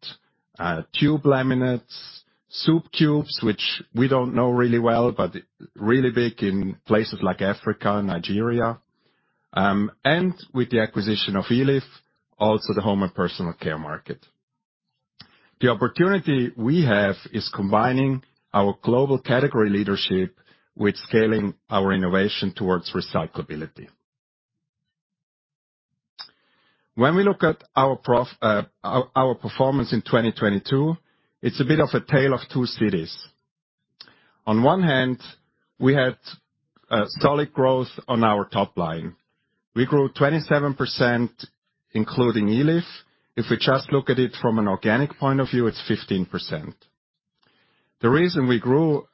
tube laminates, soup cubes, which we don't know really well, but really big in places like Africa and Nigeria. With the acquisition of Elif, also the home and personal care market. The opportunity we have is combining our global category leadership with scaling our innovation towards recyclability. When we look at our performance in 2022, it's a bit of a tale of two cities. On one hand, we had solid growth on our top line. We grew 27%, including Elif. If we just look at it from an organic point of view, it's 15%. The reason we grew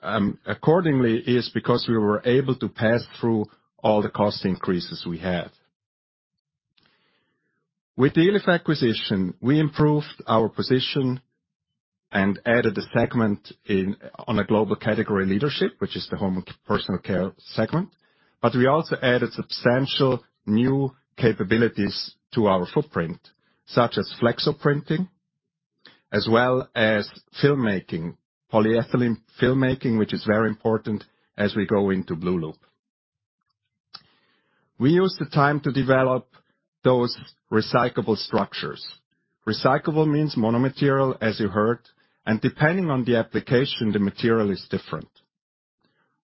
accordingly is because we were able to pass through all the cost increases we had. With the Elif acquisition, we improved our position and added a segment in, on a global category leadership, which is the home and personal care segment, but we also added substantial new capabilities to our footprint, such as flexo printing as well as filmmaking, polyethylene filmmaking, which is very important as we go into blueloop. We used the time to develop those recyclable structures. Recyclable means mono-material, as you heard, and depending on the application, the material is different.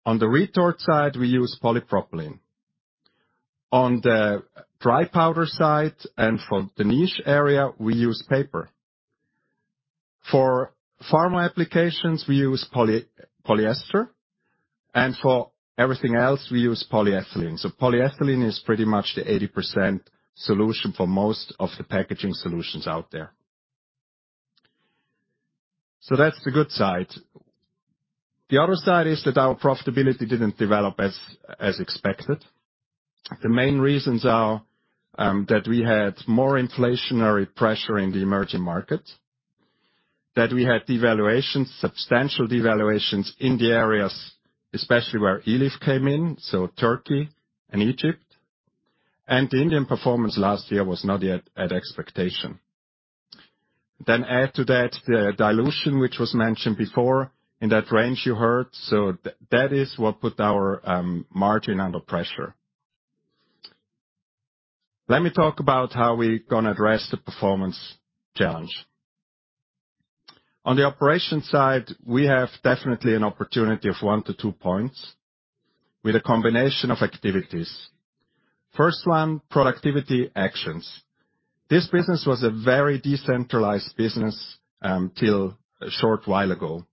On the retort side, we use polypropylene. On the dry powder side and for the niche area, we use paper. For pharma applications, we use polyester, and for everything else, we use polyethylene. Polyethylene is pretty much the 80% solution for most of the packaging solutions out there. That's the good side. The other side is that our profitability didn't develop as expected. The main reasons are that we had more inflationary pressure in the emerging markets, that we had devaluations, substantial devaluations in the areas, especially where Elif came in, so Turkey and Egypt. The Indian performance last year was not yet at expectation. Then add to that the dilution, which was mentioned before in that range you heard. That is what put our margin under pressure. Let me talk about how we're going to address the performance challenge. On the operation side, we have definitely an opportunity of 1 to 2 points with a combination of activities. First one, productivity actions. This business was a very decentralized business till a short while ago.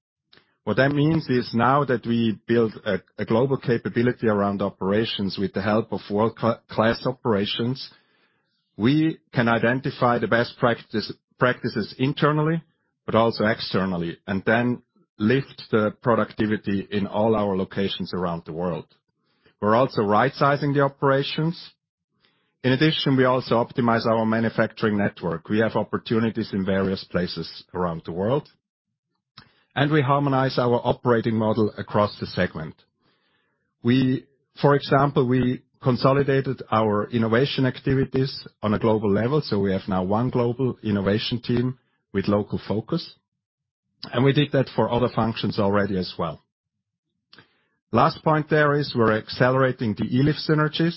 What that means is now that we build a global capability around operations with the help of world-class operations, we can identify the best practices internally, but also externally, and then lift the productivity in all our locations around the world. We're also rightsizing the operations. In addition, we also optimize our manufacturing network. We have opportunities in various places around the world, and we harmonize our operating model across the segment. For example, we consolidated our innovation activities on a global level, so we have now one global innovation team with local focus, and we did that for other functions already as well. Last point there is we're accelerating the Elif synergies,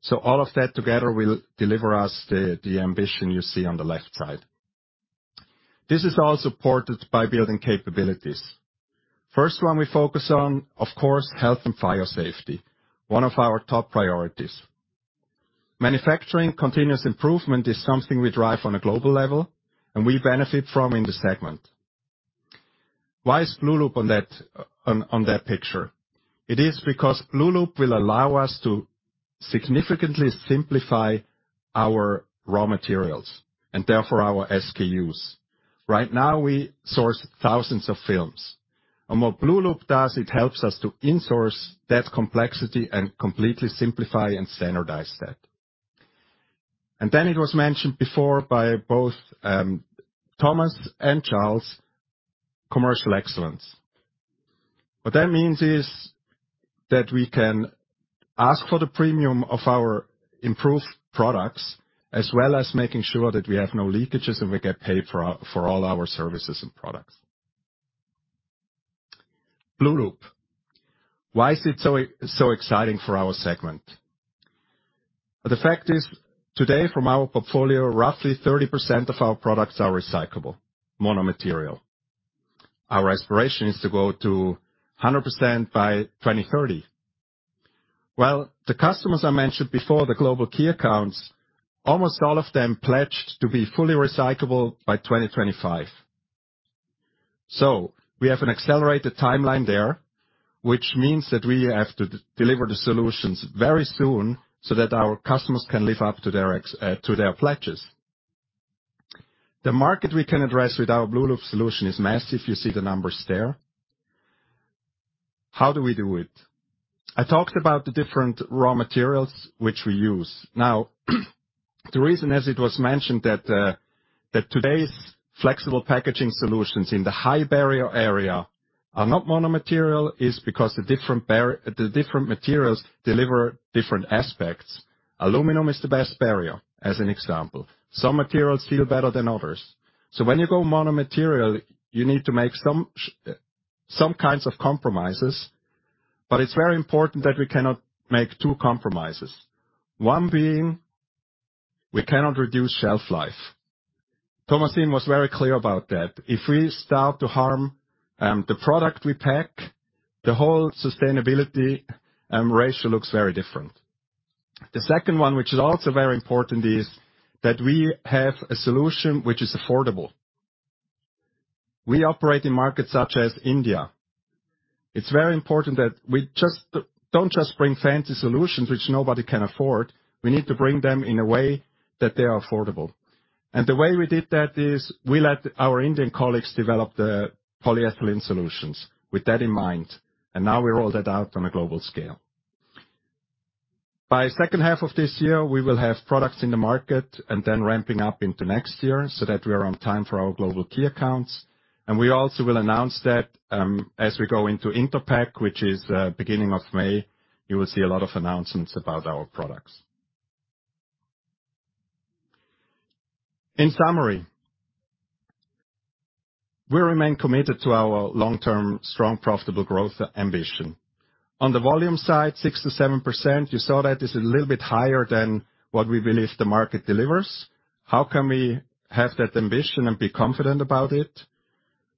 so all of that together will deliver us the ambition you see on the left side. This is all supported by building capabilities. First one we focus on, of course, health and fire safety, one of our top priorities. Manufacturing continuous improvement is something we drive on a global level, and we benefit from in the segment. Why is blueloop on that, on that picture? It is because blueloop will allow us to significantly simplify our raw materials, and therefore our SKUs. Right now, we source thousands of films. What blueloop does, it helps us to insource that complexity and completely simplify and standardize that. It was mentioned before by both Thomas and Charles, commercial excellence. What that means is that we can ask for the premium of our improved products, as well as making sure that we have no leakages, and we get paid for all our services and products. blueloop. Why is it so exciting for our segment? The fact is, today, from our portfolio, roughly 30% of our products are recyclable, mono-material. Our aspiration is to go to 100% by 2030. The customers I mentioned before, the global key accounts, almost all of them pledged to be fully recyclable by 2025. We have an accelerated timeline there, which means that we have to deliver the solutions very soon so that our customers can live up to their pledges. The market we can address with our blueloop solution is massive. You see the numbers there. How do we do it? I talked about the different raw materials which we use. The reason, as it was mentioned, that today's flexible packaging solutions in the high barrier area are not mono-material is because the different materials deliver different aspects. Aluminum is the best barrier, as an example. Some materials feel better than others. When you go mono-material, you need to make some kinds of compromises. It's very important that we cannot make two compromises. One being, we cannot reduce shelf life. Thomasine was very clear about that. If we start to harm the product we pack, the whole sustainability ratio looks very different. The second one, which is also very important, is that we have a solution which is affordable. We operate in markets such as India. It's very important that we don't just bring fancy solutions which nobody can afford. We need to bring them in a way that they are affordable. The way we did that is we let our Indian colleagues develop the polyethylene solutions with that in mind, and now we roll that out on a global scale. By second half of this year, we will have products in the market and then ramping up into next year so that we are on time for our global key accounts. We also will announce that, as we go into Interpack, which is beginning of May, you will see a lot of announcements about our products. In summary, we remain committed to our long-term strong, profitable growth ambition. On the volume side, 6%-7%, you saw that is a little bit higher than what we believe the market delivers. How can we have that ambition and be confident about it?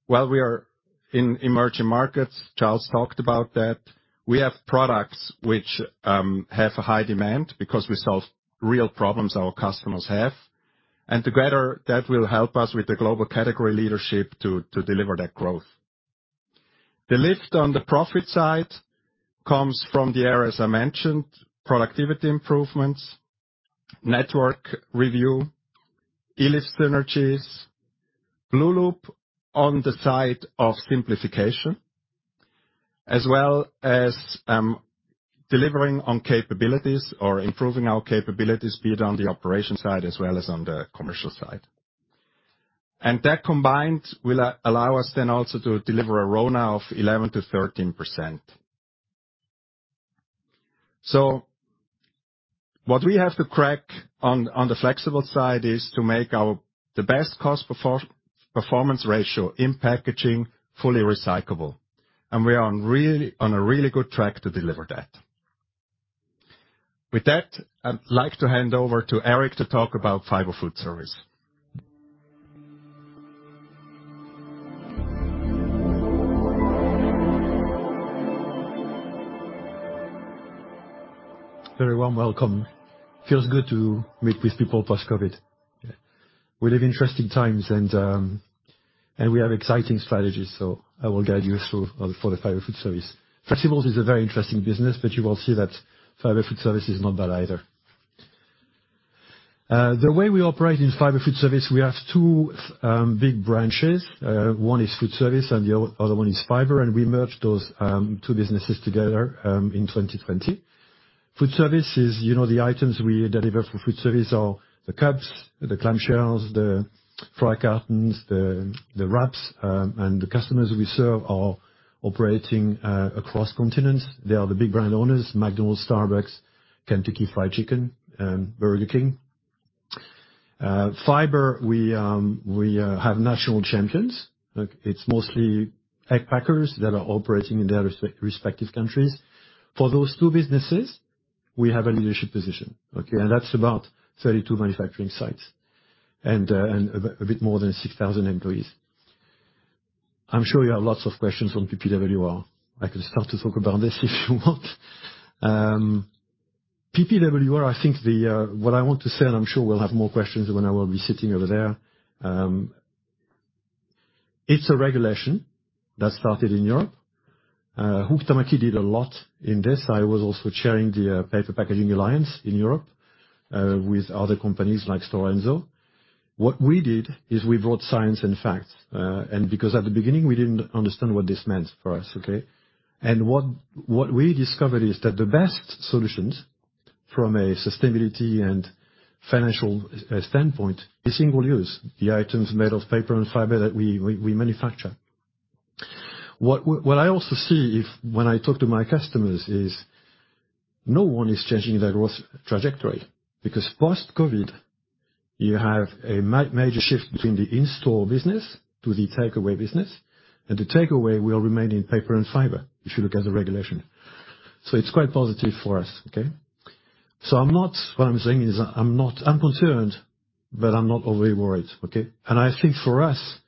Well, we are in emerging markets. Charles talked about that. We have products which have a high demand because we solve real problems our customers have. Together, that will help us with the global category leadership to deliver that growth. The lift on the profit side comes from the areas I mentioned, productivity improvements, network review, Elif synergies, blueloop on the side of simplification, as well as delivering on capabilities or improving our capabilities, be it on the operation side as well as on the commercial side. That combined will allow us then also to deliver a RONA of 11%-13%. What we have to crack on the flexible side is to make the best cost performance ratio in packaging fully recyclable. We are on a really good track to deliver that. With that, I'd like to hand over to Eric to talk about Fiber Foodservice. Very warm welcome. Feels good to meet with people post-COVID. We live interesting times, and we have exciting strategies, so I will guide you through for the Fiber Foodservice. Flexibles is a very interesting business, you will see that Fiber Foodservice is not bad either. The way we operate in Fiber Foodservice, we have two big branches. One is foodservice, the other one is fiber, we merged those two businesses together in 2020. Foodservice is, you know, the items we deliver for foodservice are the cups, the clam shells, the fry cartons, the wraps. The customers we serve are operating across continents. They are the big brand owners, McDonald's, Starbucks, Kentucky Fried Chicken, Burger King. Fiber, we have natural champions. Like, it's mostly egg packers that are operating in their respective countries. For those two businesses, we have a leadership position, okay? That's about 32 manufacturing sites and a bit more than 6,000 employees. I'm sure you have lots of questions on PPWR. I can start to talk about this if you want. PPWR, I think the what I want to say, and I'm sure we'll have more questions when I will be sitting over there, it's a regulation that started in Europe. Huhtamäki did a lot in this. I was also chairing the Paper Packaging Alliance in Europe, with other companies like Stora Enso. What we did is we brought science and facts, because at the beginning, we didn't understand what this meant for us, okay? What we discovered is that the best solutions from a sustainability and financial standpoint is single use. The items made of paper and fiber that we manufacture. What I also see if, when I talk to my customers is no one is changing their growth trajectory because post-COVID, you have a major shift between the in-store business to the takeaway business, and the takeaway will remain in paper and fiber if you look at the regulation. It's quite positive for us, okay. What I'm saying is I'm concerned, but I'm not overly worried, okay. I think for us,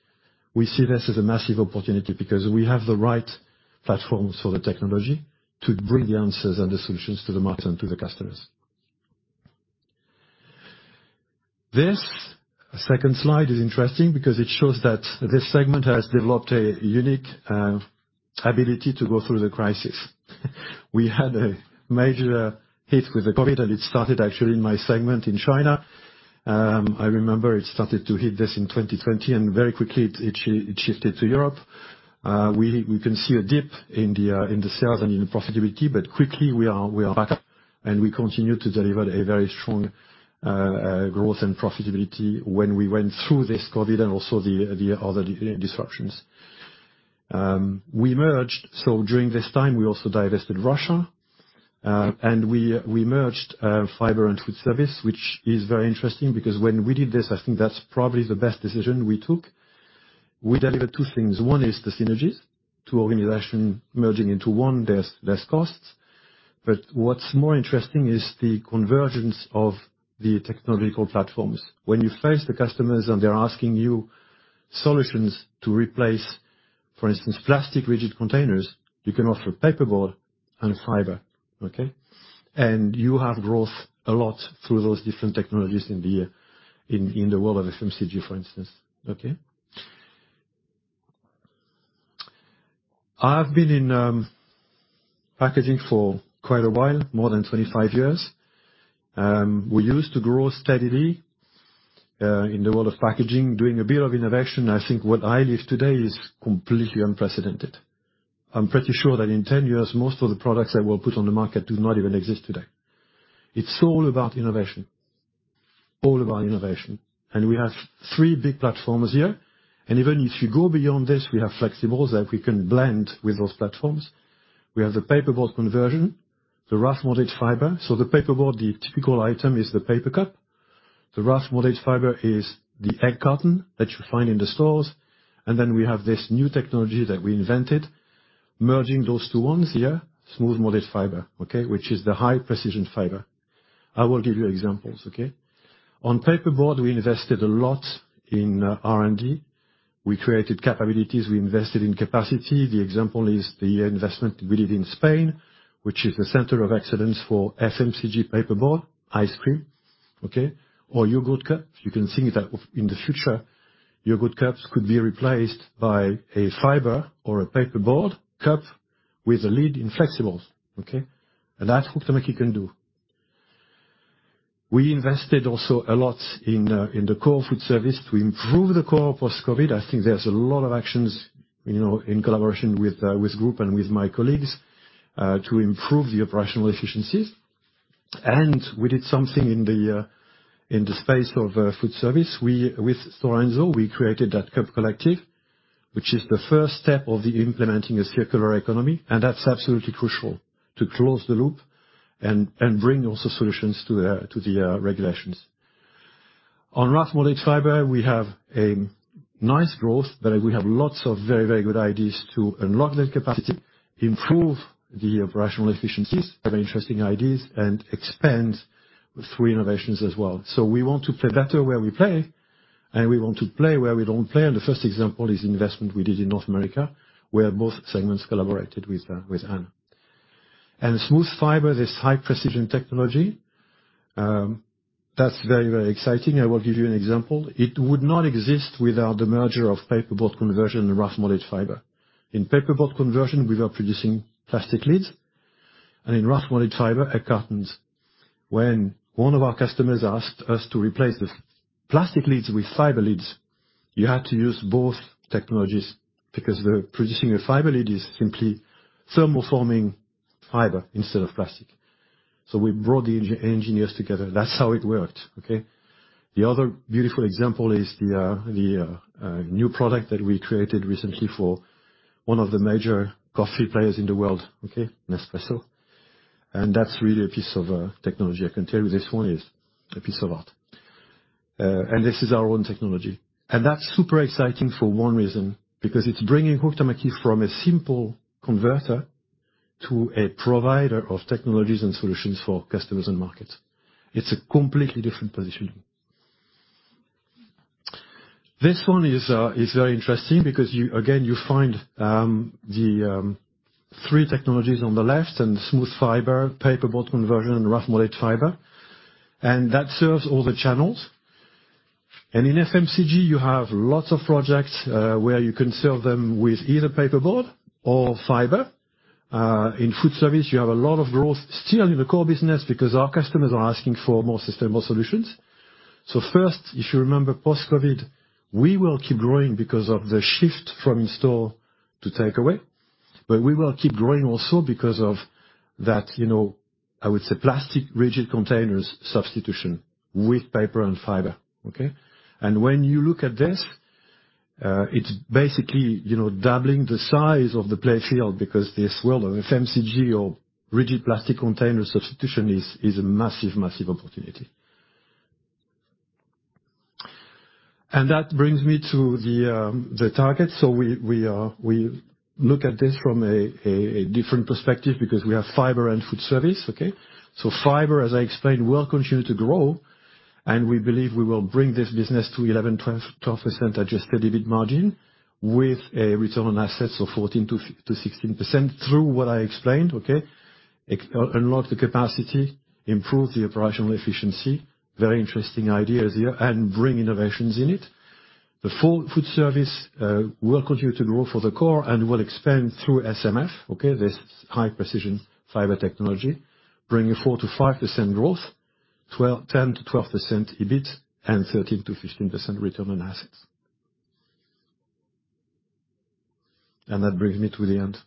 we see this as a massive opportunity because we have the right platforms for the technology to bring the answers and the solutions to the market and to the customers. This second slide is interesting because it shows that this segment has developed a unique ability to go through the crisis. We had a major hit with the COVID, and it started actually in my segment in China. I remember it started to hit this in 2020, and very quickly it shifted to Europe. We can see a dip in the sales and in the profitability, but quickly we are back up, and we continue to deliver a very strong growth and profitability when we went through this COVID and also the other disruptions. We merged, so during this time, we also divested Russia, and we merged Fiber Foodservice, which is very interesting because when we did this, I think that's probably the best decision we took. We delivered 2 things. 1 is the synergies. 2 organization merging into 1, there's less costs. What's more interesting is the convergence of the technological platforms. When you face the customers and they're asking you solutions to replace, for instance, plastic rigid containers, you can offer paperboard and fiber, okay? You have growth a lot through those different technologies in the world of FMCG, for instance. Okay? I've been in packaging for quite a while, more than 25 years. We used to grow steadily in the world of packaging, doing a bit of innovation. I think what I live today is completely unprecedented. I'm pretty sure that in 10 years, most of the products that were put on the market do not even exist today. It's all about innovation. All about innovation. We have three big platforms here, and even if you go beyond this, we have flexibles that we can blend with those platforms. We have the paperboard conversion, the rough molded fiber. The paperboard, the typical item is the paper cup. The rough molded fiber is the egg carton that you find in the stores. Then we have this new technology that we invented, merging those two ones here, smooth molded fiber, okay? Which is the high precision fiber. I will give you examples, okay? On paperboard, we invested a lot in R&D. We created capabilities, we invested in capacity. The example is the investment we did in Spain, which is the center of excellence for FMCG paperboard, ice cream, okay, or yogurt cup. You can think that in the future, yogurt cups could be replaced by a fiber or a paperboard cup with a lid in flexibles, okay? That's Huhtamaki can do. We invested also a lot in the core foodservice to improve the core post-COVID. I think there's a lot of actions, you know, in collaboration with group and with my colleagues to improve the operational efficiencies. We did something in the space of foodservice. With Stora Enso, we created The Cup Collective, which is the first step of implementing a circular economy, and that's absolutely crucial to close the loop and bring also solutions to the regulations. On raft molded fiber, we have a nice growth. We have lots of very, very good ideas to unlock that capacity, improve the operational efficiencies, have interesting ideas and expand through innovations as well. We want to play better where we play, and we want to play where we don't play. The first example is investment we did in North America, where both segments collaborated with Anne. Smooth fiber, this high-precision technology, that's very, very exciting. I will give you an example. It would not exist without the merger of paperboard conversion and raft molded fiber. In paperboard conversion, we are producing plastic lids, and in raft molded fiber, egg cartons. When one of our customers asked us to replace the plastic lids with fiber lids, you had to use both technologies because the producing a fiber lid is simply thermoforming fiber instead of plastic. We brought the engineers together. That's how it worked, okay? The other beautiful example is the new product that we created recently for one of the major coffee players in the world, okay? Nespresso. That's really a piece of technology. I can tell you this one is a piece of art. This is our own technology. That's super exciting for one reason, because it's bringing Huhtamaki from a simple converter to a provider of technologies and solutions for customers and markets. It's a completely different positioning. This one is very interesting because again, you find the three technologies on the left and smooth fiber, paperboard conversion, and raft molded fiber. That serves all the channels. In FMCG, you have lots of projects where you can serve them with either paperboard or fiber. In food service, you have a lot of growth still in the core business because our customers are asking for more sustainable solutions. First, if you remember post-COVID, we will keep growing because of the shift from in store to takeaway. We will keep growing also because of that, you know, I would say, plastic rigid containers substitution with paper and fiber, okay? When you look at this, you know, doubling the size of the playing field because this world of FMCG or rigid plastic container substitution is a massive opportunity. That brings me to the target. We look at this from a different perspective because we have fiber and food service, okay? Fiber, as I explained, will continue to grow, and we believe we will bring this business to 11-12% adjusted EBIT margin with a return on assets of 14-16% through what I explained, okay? Unlock the capacity, improve the operational efficiency, very interesting ideas here, and bring innovations in it. The food service will continue to grow for the core and will expand through SMF, okay? This high-precision fiber technology, bringing 4%-5% growth, 10%-12% EBIT, and 13%-15% return on assets. That brings me to the end.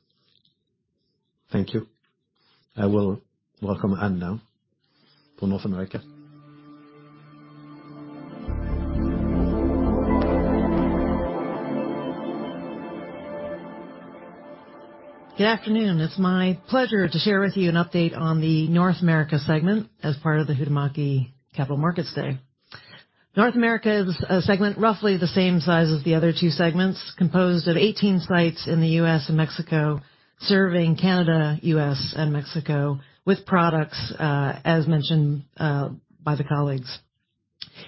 Thank you. I will welcome Anne now for North America. Good afternoon. It's my pleasure to share with you an update on the North America segment as part of the Huhtamäki Capital Markets Day. North America is a segment roughly the same size as the other two segments, composed of 18 sites in the U.S. and Mexico, serving Canada, U.S., and Mexico with products, as mentioned, by the colleagues.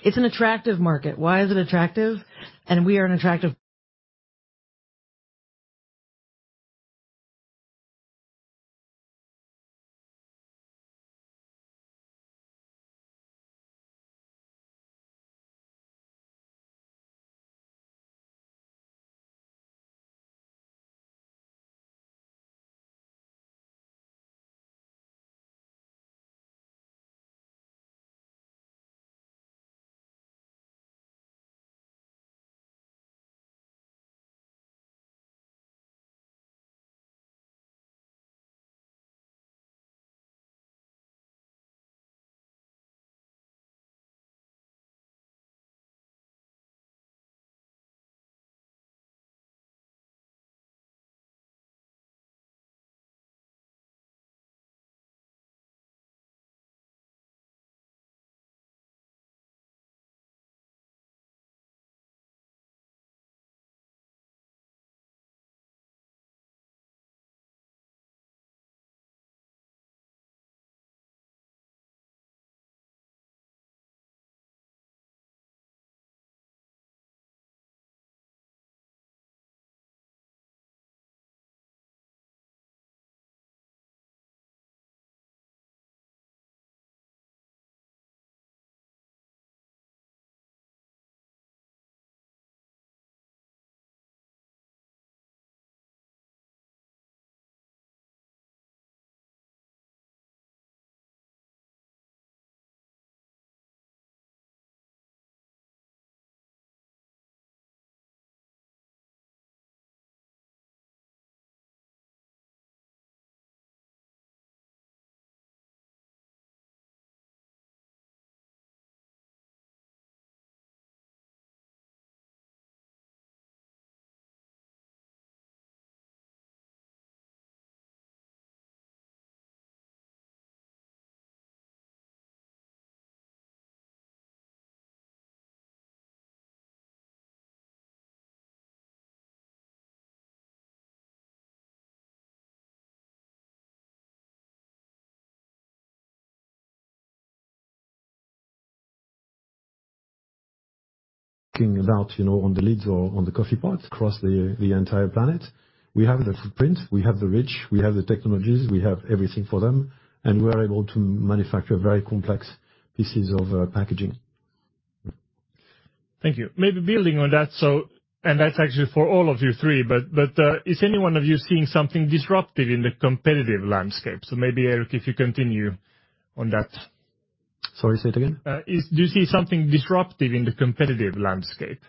It's an attractive market. Why is it attractive? We are an attractive. Out, you know, on the lids or on the coffee pot across the entire planet. We have the footprint, we have the reach, we have the technologies, we have everything for them, and we're able to manufacture very complex pieces of packaging. Thank you. Maybe building on that. That's actually for all of you three, but is any one of you seeing something disruptive in the competitive landscape? Maybe, Eric, if you continue on that. Sorry, say it again. Do you see something disruptive in the competitive landscape?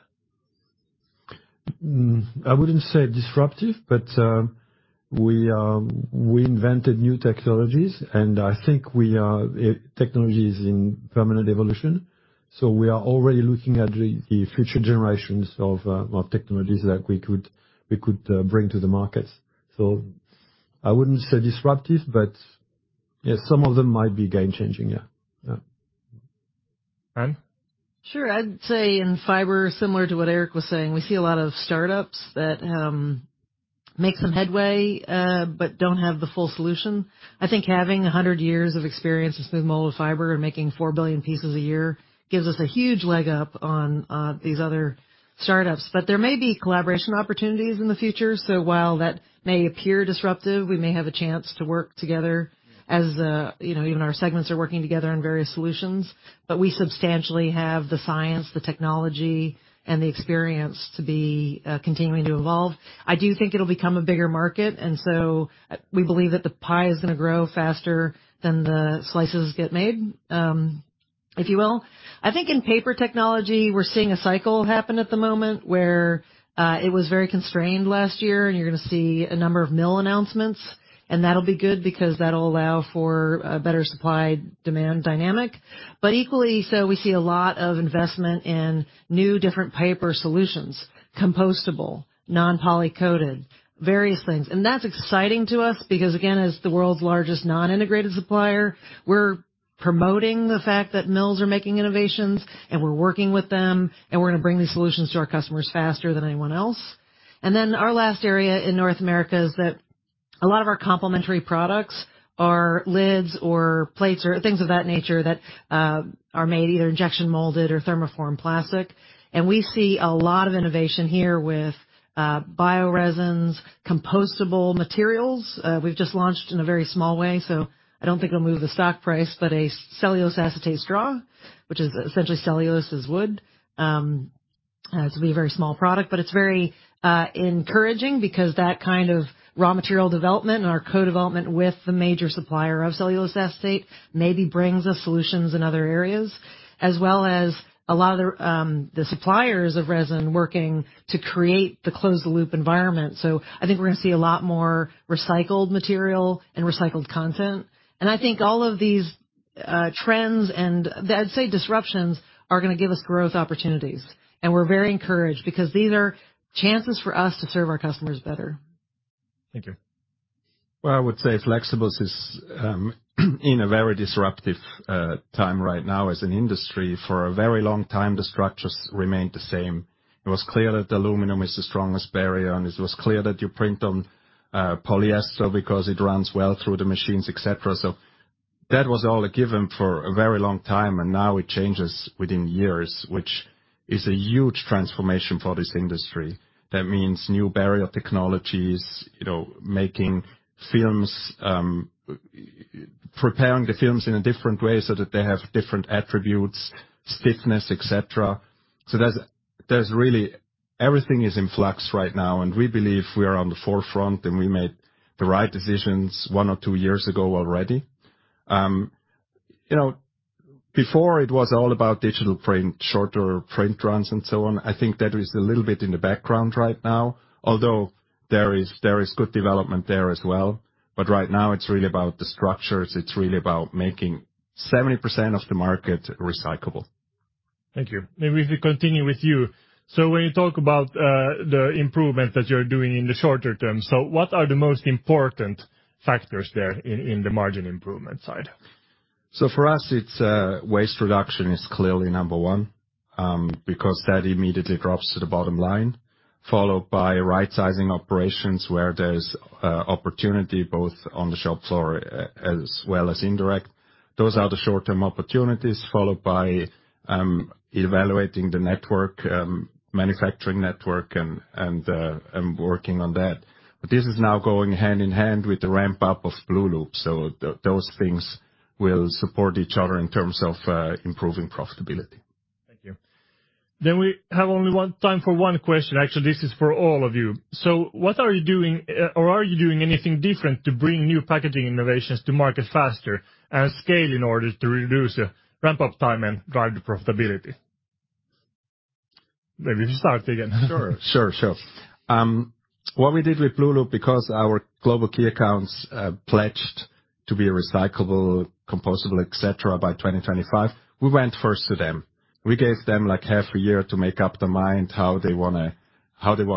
I wouldn't say disruptive, but we invented new technologies. I think technology is in permanent evolution. We are already looking at the future generations of technologies that we could bring to the market. I wouldn't say disruptive, but yes, some of them might be game-changing, yeah. Anne? Sure. I'd say in fiber, similar to what Eric was saying, we see a lot of startups that, make some headway, but don't have the full solution. I think having 100 years of experience with smooth molded fiber and making 4 billion pieces a year gives us a huge leg up on these other startups. There may be collaboration opportunities in the future, so while that may appear disruptive, we may have a chance to work together as, you know, even our segments are working together on various solutions. We substantially have the science, the technology, and the experience to be continuing to evolve. I do think it'll become a bigger market. We believe that the pie is going to grow faster than the slices get made, if you will. I think in paper technology, we're seeing a cycle happen at the moment where it was very constrained last year, and you're going to see a number of mill announcements, and that'll be good because that'll allow for a better supply-demand dynamic. Equally so, we see a lot of investment in new, different paper solutions, compostable, non-poly coated, various things. That's exciting to us because, again, as the world's largest non-integrated supplier, we're promoting the fact that mills are making innovations, and we're working with them, and we're going to bring these solutions to our customers faster than anyone else. Our last area in North America is that a lot of our complementary products are lids or plates or things of that nature that are made either injection molded or thermoformed plastic. We see a lot of innovation here with bio-resins, compostable materials. We've just launched in a very small way, so I don't think it'll move the stock price, but a cellulose acetate straw, which is essentially cellulose as wood. It'll be a very small product, but it's very encouraging because that kind of raw material development and our co-development with the major supplier of cellulose acetate maybe brings us solutions in other areas, as well as a lot of the suppliers of resin working to create the closed loop environment. I think we're going to see a lot more recycled material and recycled content. I think all of these trends and I'd say disruptions are going to give us growth opportunities, and we're very encouraged because these are chances for us to serve our customers better. Thank you. I would say flexibles is in a very disruptive time right now as an industry. For a very long time, the structures remained the same. It was clear that the aluminium is the strongest barrier, and it was clear that you print on polyester because it runs well through the machines, et cetera. That was all a given for a very long time, and now it changes within years, which is a huge transformation for this industry. That means new barrier technologies, you know, making films, preparing the films in a different way so that they have different attributes, stiffness, et cetera. There's really. Everything is in flux right now, and we believe we are on the forefront, and we made the right decisions 1 or 2 years ago already. You know, before it was all about digital print, shorter print runs and so on. I think that is a little bit in the background right now, although there is, there is good development there as well. Right now it's really about the structures. It's really about making 70% of the market recyclable. Thank you. Maybe if we continue with you. When you talk about the improvement that you're doing in the shorter term, what are the most important factors there in the margin improvement side? For us, it's waste reduction is clearly number one, because that immediately drops to the bottom line, followed by right-sizing operations where there's opportunity both on the shop floor as well as indirect. Those are the short-term opportunities, followed by evaluating the network, manufacturing network and working on that. This is now going hand in hand with the ramp-up of blueloop. Those things will support each other in terms of improving profitability. Thank you. We have only time for one question. Actually, this is for all of you. What are you doing or are you doing anything different to bring new packaging innovations to market faster and scale in order to reduce ramp-up time and drive the profitability? Maybe just start again. Sure, sure. What we did with blueloop, because our global key accounts pledged to be recyclable, compostable, et cetera, by 2025, we went first to them. We gave them, like, half a year to make up their mind how they want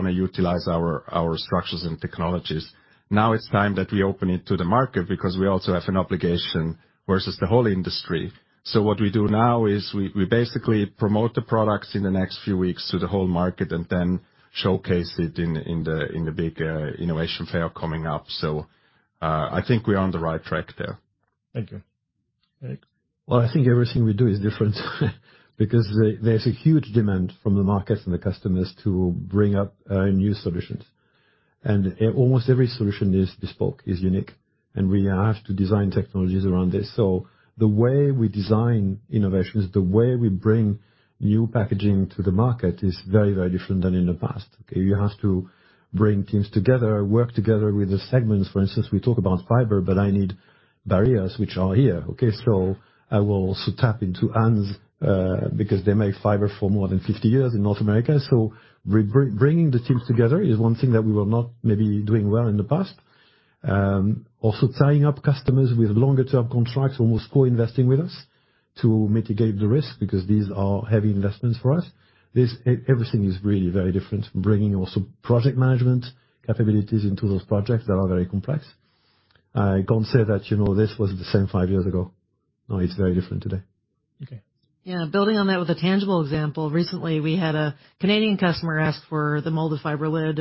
to utilize our structures and technologies. Now it's time that we open it to the market because we also have an obligation versus the whole industry. What we do now is we basically promote the products in the next few weeks to the whole market and then showcase it in the big innovation fair coming up. I think we're on the right track there. Thank you. Eric? Well, I think everything we do is different because there's a huge demand from the markets and the customers to bring up new solutions. Almost every solution is bespoke, is unique, and we have to design technologies around this. The way we design innovations, the way we bring new packaging to the market is very, very different than in the past, okay. You have to bring teams together, work together with the segments. For instance, we talk about fiber, but I need barriers, which are here, okay. I will also tap into Anne's because they make fiber for more than 50 years in North America. Bringing the teams together is one thing that we were not maybe doing well in the past. Also tying up customers with longer-term contracts, almost co-investing with us to mitigate the risk because these are heavy investments for us. Everything is really very different. Bringing also project management capabilities into those projects that are very complex. I can't say that, you know, this was the same five years ago. No, it's very different today. Okay. Yeah. Building on that with a tangible example, recently, we had a Canadian customer ask for the molded fiber lid.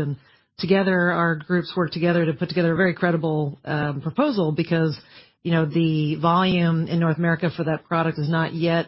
Together, our groups worked together to put together a very credible proposal because, you know, the volume in North America for that product is not yet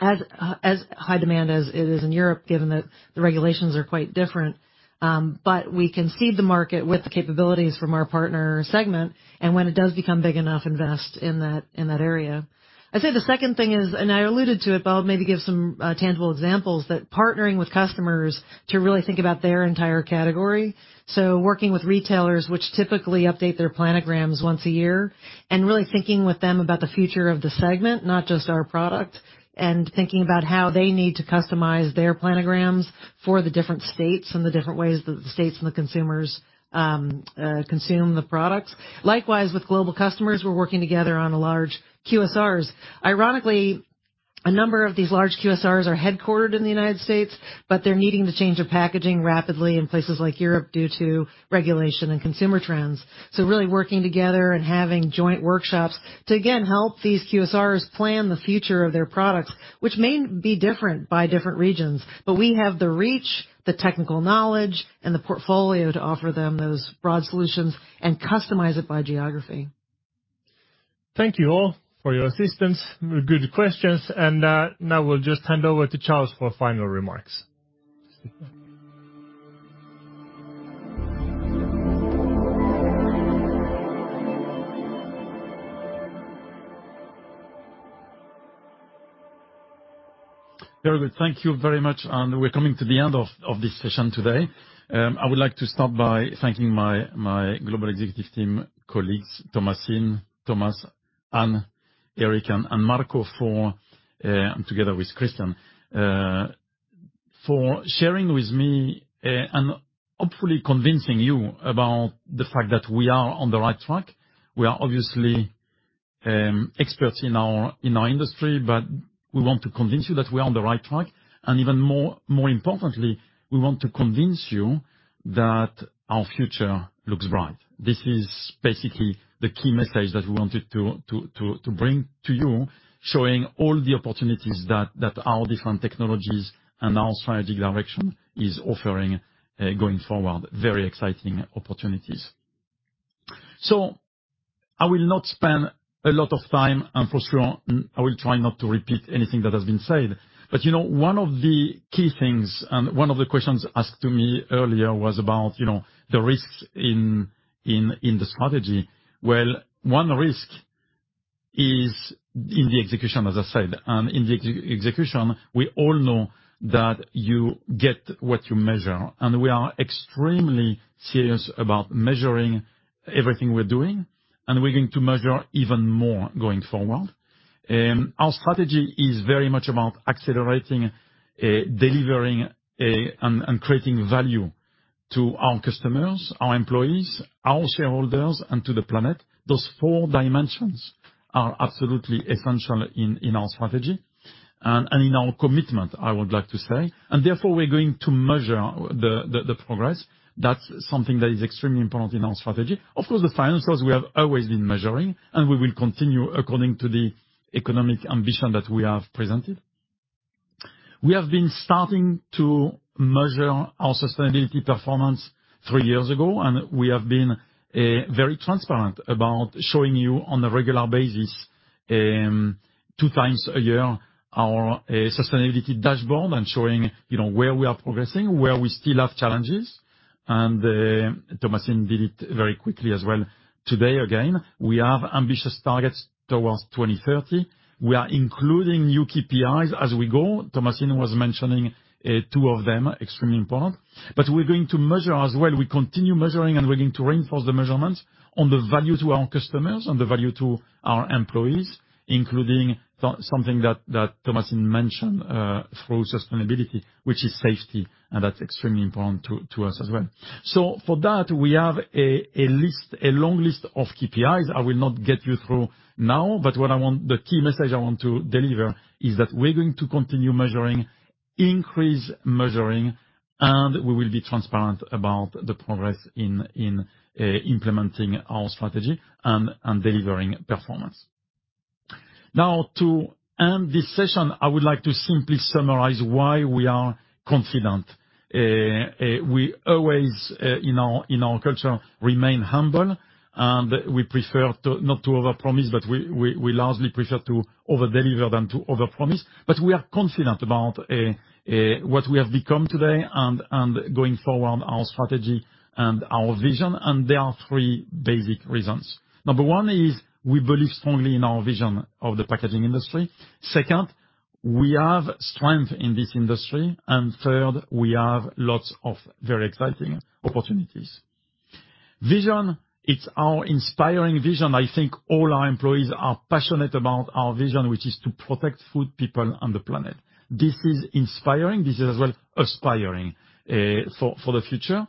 as high demand as it is in Europe, given that the regulations are quite different. We can seed the market with the capabilities from our partner segment, and when it does become big enough, invest in that area. I'd say the second thing is, I alluded to it, but I'll maybe give some tangible examples, that partnering with customers to really think about their entire category. Working with retailers which typically update their planograms once a year, and really thinking with them about the future of the segment, not just our product, and thinking about how they need to customize their planograms for the different states and the different ways that the states and the consumers consume the products. Likewise, with global customers, we're working together on large QSRs. Ironically, a number of these large QSRs are headquartered in the United States, but they're needing to change their packaging rapidly in places like Europe due to regulation and consumer trends. Really working together and having joint workshops to again help these QSRs plan the future of their products, which may be different by different regions. We have the reach, the technical knowledge, and the portfolio to offer them those broad solutions and customize it by geography. Thank you all for your assistance. Good questions. Now we'll just hand over to Charles for final remarks. Very good. Thank you very much. We're coming to the end of this session today. I would like to start by thanking my global executive team colleagues, Thomasine, Thomas, Anne, Eric, and Marco for together with Kristian for sharing with me and hopefully convincing you about the fact that we are on the right track. We are obviously experts in our industry, but we want to convince you that we are on the right track. Even more importantly, we want to convince you that our future looks bright. This is basically the key message that we wanted to bring to you, showing all the opportunities that our different technologies and our strategic direction is offering going forward. Very exciting opportunities. I will not spend a lot of time, and for sure, I will try not to repeat anything that has been said. You know, one of the key things and one of the questions asked to me earlier was about, you know, the risks in the strategy. Well, one risk is in the execution, as I said. In the execution, we all know that you get what you measure. We are extremely serious about measuring everything we're doing, and we're going to measure even more going forward. Our strategy is very much about accelerating, delivering, and creating value to our customers, our employees, our shareholders, and to the planet. Those four dimensions are absolutely essential in our strategy and in our commitment, I would like to say. Therefore, we're going to measure the progress. That's something that is extremely important in our strategy. Of course, the financials we have always been measuring, and we will continue according to the economic ambition that we have presented. We have been starting to measure our sustainability performance 3 years ago, and we have been very transparent about showing you on a regular basis, 2 times a year, our sustainability dashboard and showing, you know, where we are progressing, where we still have challenges. Thomasine did it very quickly as well. Today, again, we have ambitious targets towards 2030. We are including new KPIs as we go. Thomasine was mentioning 2 of them, extremely important. We're going to measure as well. We continue measuring, and we're going to reinforce the measurements on the value to our customers and the value to our employees, including something that Thomasine mentioned through sustainability, which is safety, and that's extremely important to us as well. For that, we have a long list of KPIs I will not get you through now, but the key message I want to deliver is that we're going to continue measuring, Increase measuring, and we will be transparent about the progress in implementing our strategy and delivering performance. To end this session, I would like to simply summarize why we are confident. we always in our culture, remain humble, and we prefer not to overpromise, but we largely prefer to overdeliver than to overpromise. But we are confident about what we have become today and going forward, our strategy and our vision. There are three basic reasons. Number one is we believe strongly in our vision of the packaging industry. Second, we have strength in this industry. Third, we have lots of very exciting opportunities. Vision, it's our inspiring vision. I think all our employees are passionate about our vision, which is to protect food, people and the planet. This is inspiring. This is as well aspiring for the future.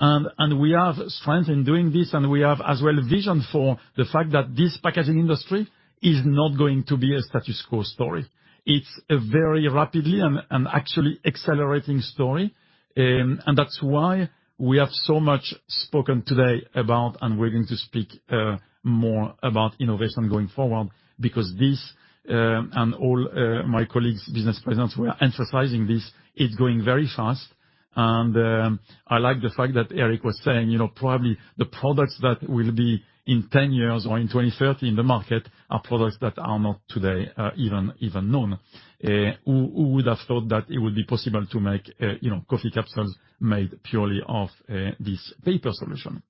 We have strength in doing this, and we have as well vision for the fact that this packaging industry is not going to be a status quo story. It's a very rapidly and actually accelerating story. That's why we have so much spoken today about, and we're going to speak more about innovation going forward, because this, and all my colleagues, business presidents, we are emphasizing this, it's going very fast. I like the fact that Eric was saying, you know, probably the products that will be in 10 years or in 2030 in the market are products that are not today even known. Who would have thought that it would be possible to make, you know, coffee capsules made purely of this paper solution?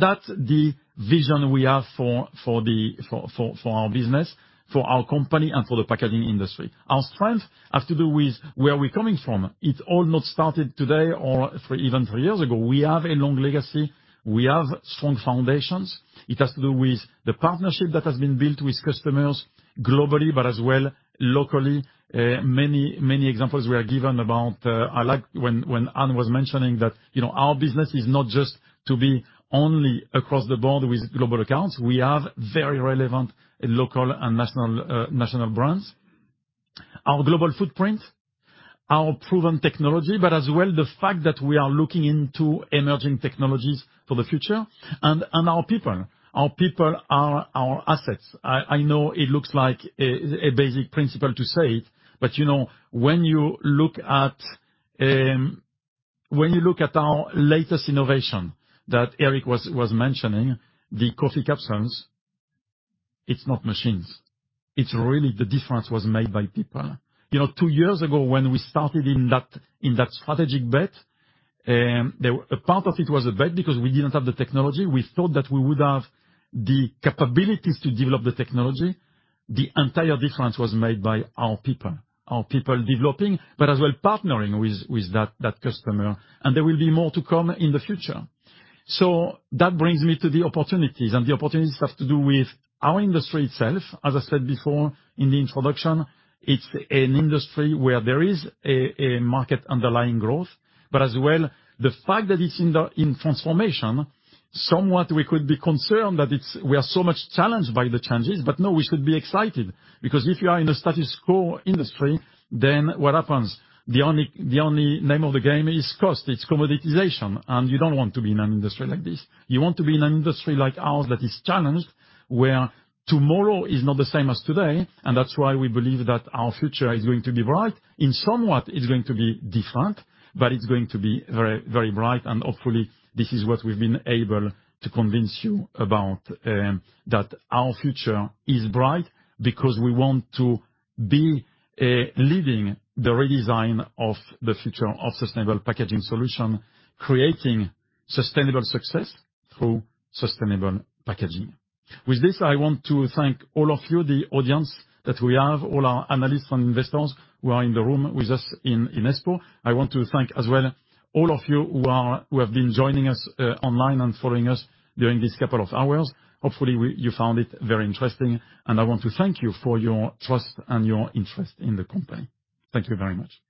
That's the vision we have for our business, for our company, and for the packaging industry. Our strength has to do with where we're coming from. It all not started today or for even 3 years ago. We have a long legacy. We have strong foundations. It has to do with the partnership that has been built with customers globally, but as well locally. Many, many examples were given about. I like when Anne was mentioning that, you know, our business is not just to be only across the board with global accounts. We have very relevant local and national brands. Our global footprint, our proven technology, but as well the fact that we are looking into emerging technologies for the future, and our people. Our people are our assets. I know it looks like a basic principle to say it, but you know, when you look at, when you look at our latest innovation that Eric was mentioning, the coffee capsules, it's not machines. It's really the difference was made by people. You know, 2 years ago, when we started in that, in that strategic bet, a part of it was a bet because we didn't have the technology. We thought that we would have the capabilities to develop the technology. The entire difference was made by our people developing, but as well partnering with that customer, and there will be more to come in the future. That brings me to the opportunities, and the opportunities have to do with our industry itself. As I said before, in the introduction, it's an industry where there is a market underlying growth, but as well, the fact that it's in the, in transformation, somewhat we could be concerned that we are so much challenged by the changes. No, we should be excited, because if you are in a status quo industry, then what happens? The only name of the game is cost. It's commoditization. You don't want to be in an industry like this. You want to be in an industry like ours that is challenged, where tomorrow is not the same as today. That's why we believe that our future is going to be bright. In somewhat it's going to be different, but it's going to be very, very bright. Hopefully this is what we've been able to convince you about, that our future is bright because we want to be leading the redesign of the future of sustainable packaging solution, creating sustainable success through sustainable packaging. With this, I want to thank all of you, the audience that we have, all our analysts and investors who are in the room with us in Espoo. I want to thank as well all of you who have been joining us online and following us during this couple of hours. Hopefully, you found it very interesting, and I want to thank you for your trust and your interest in the company. Thank you very much.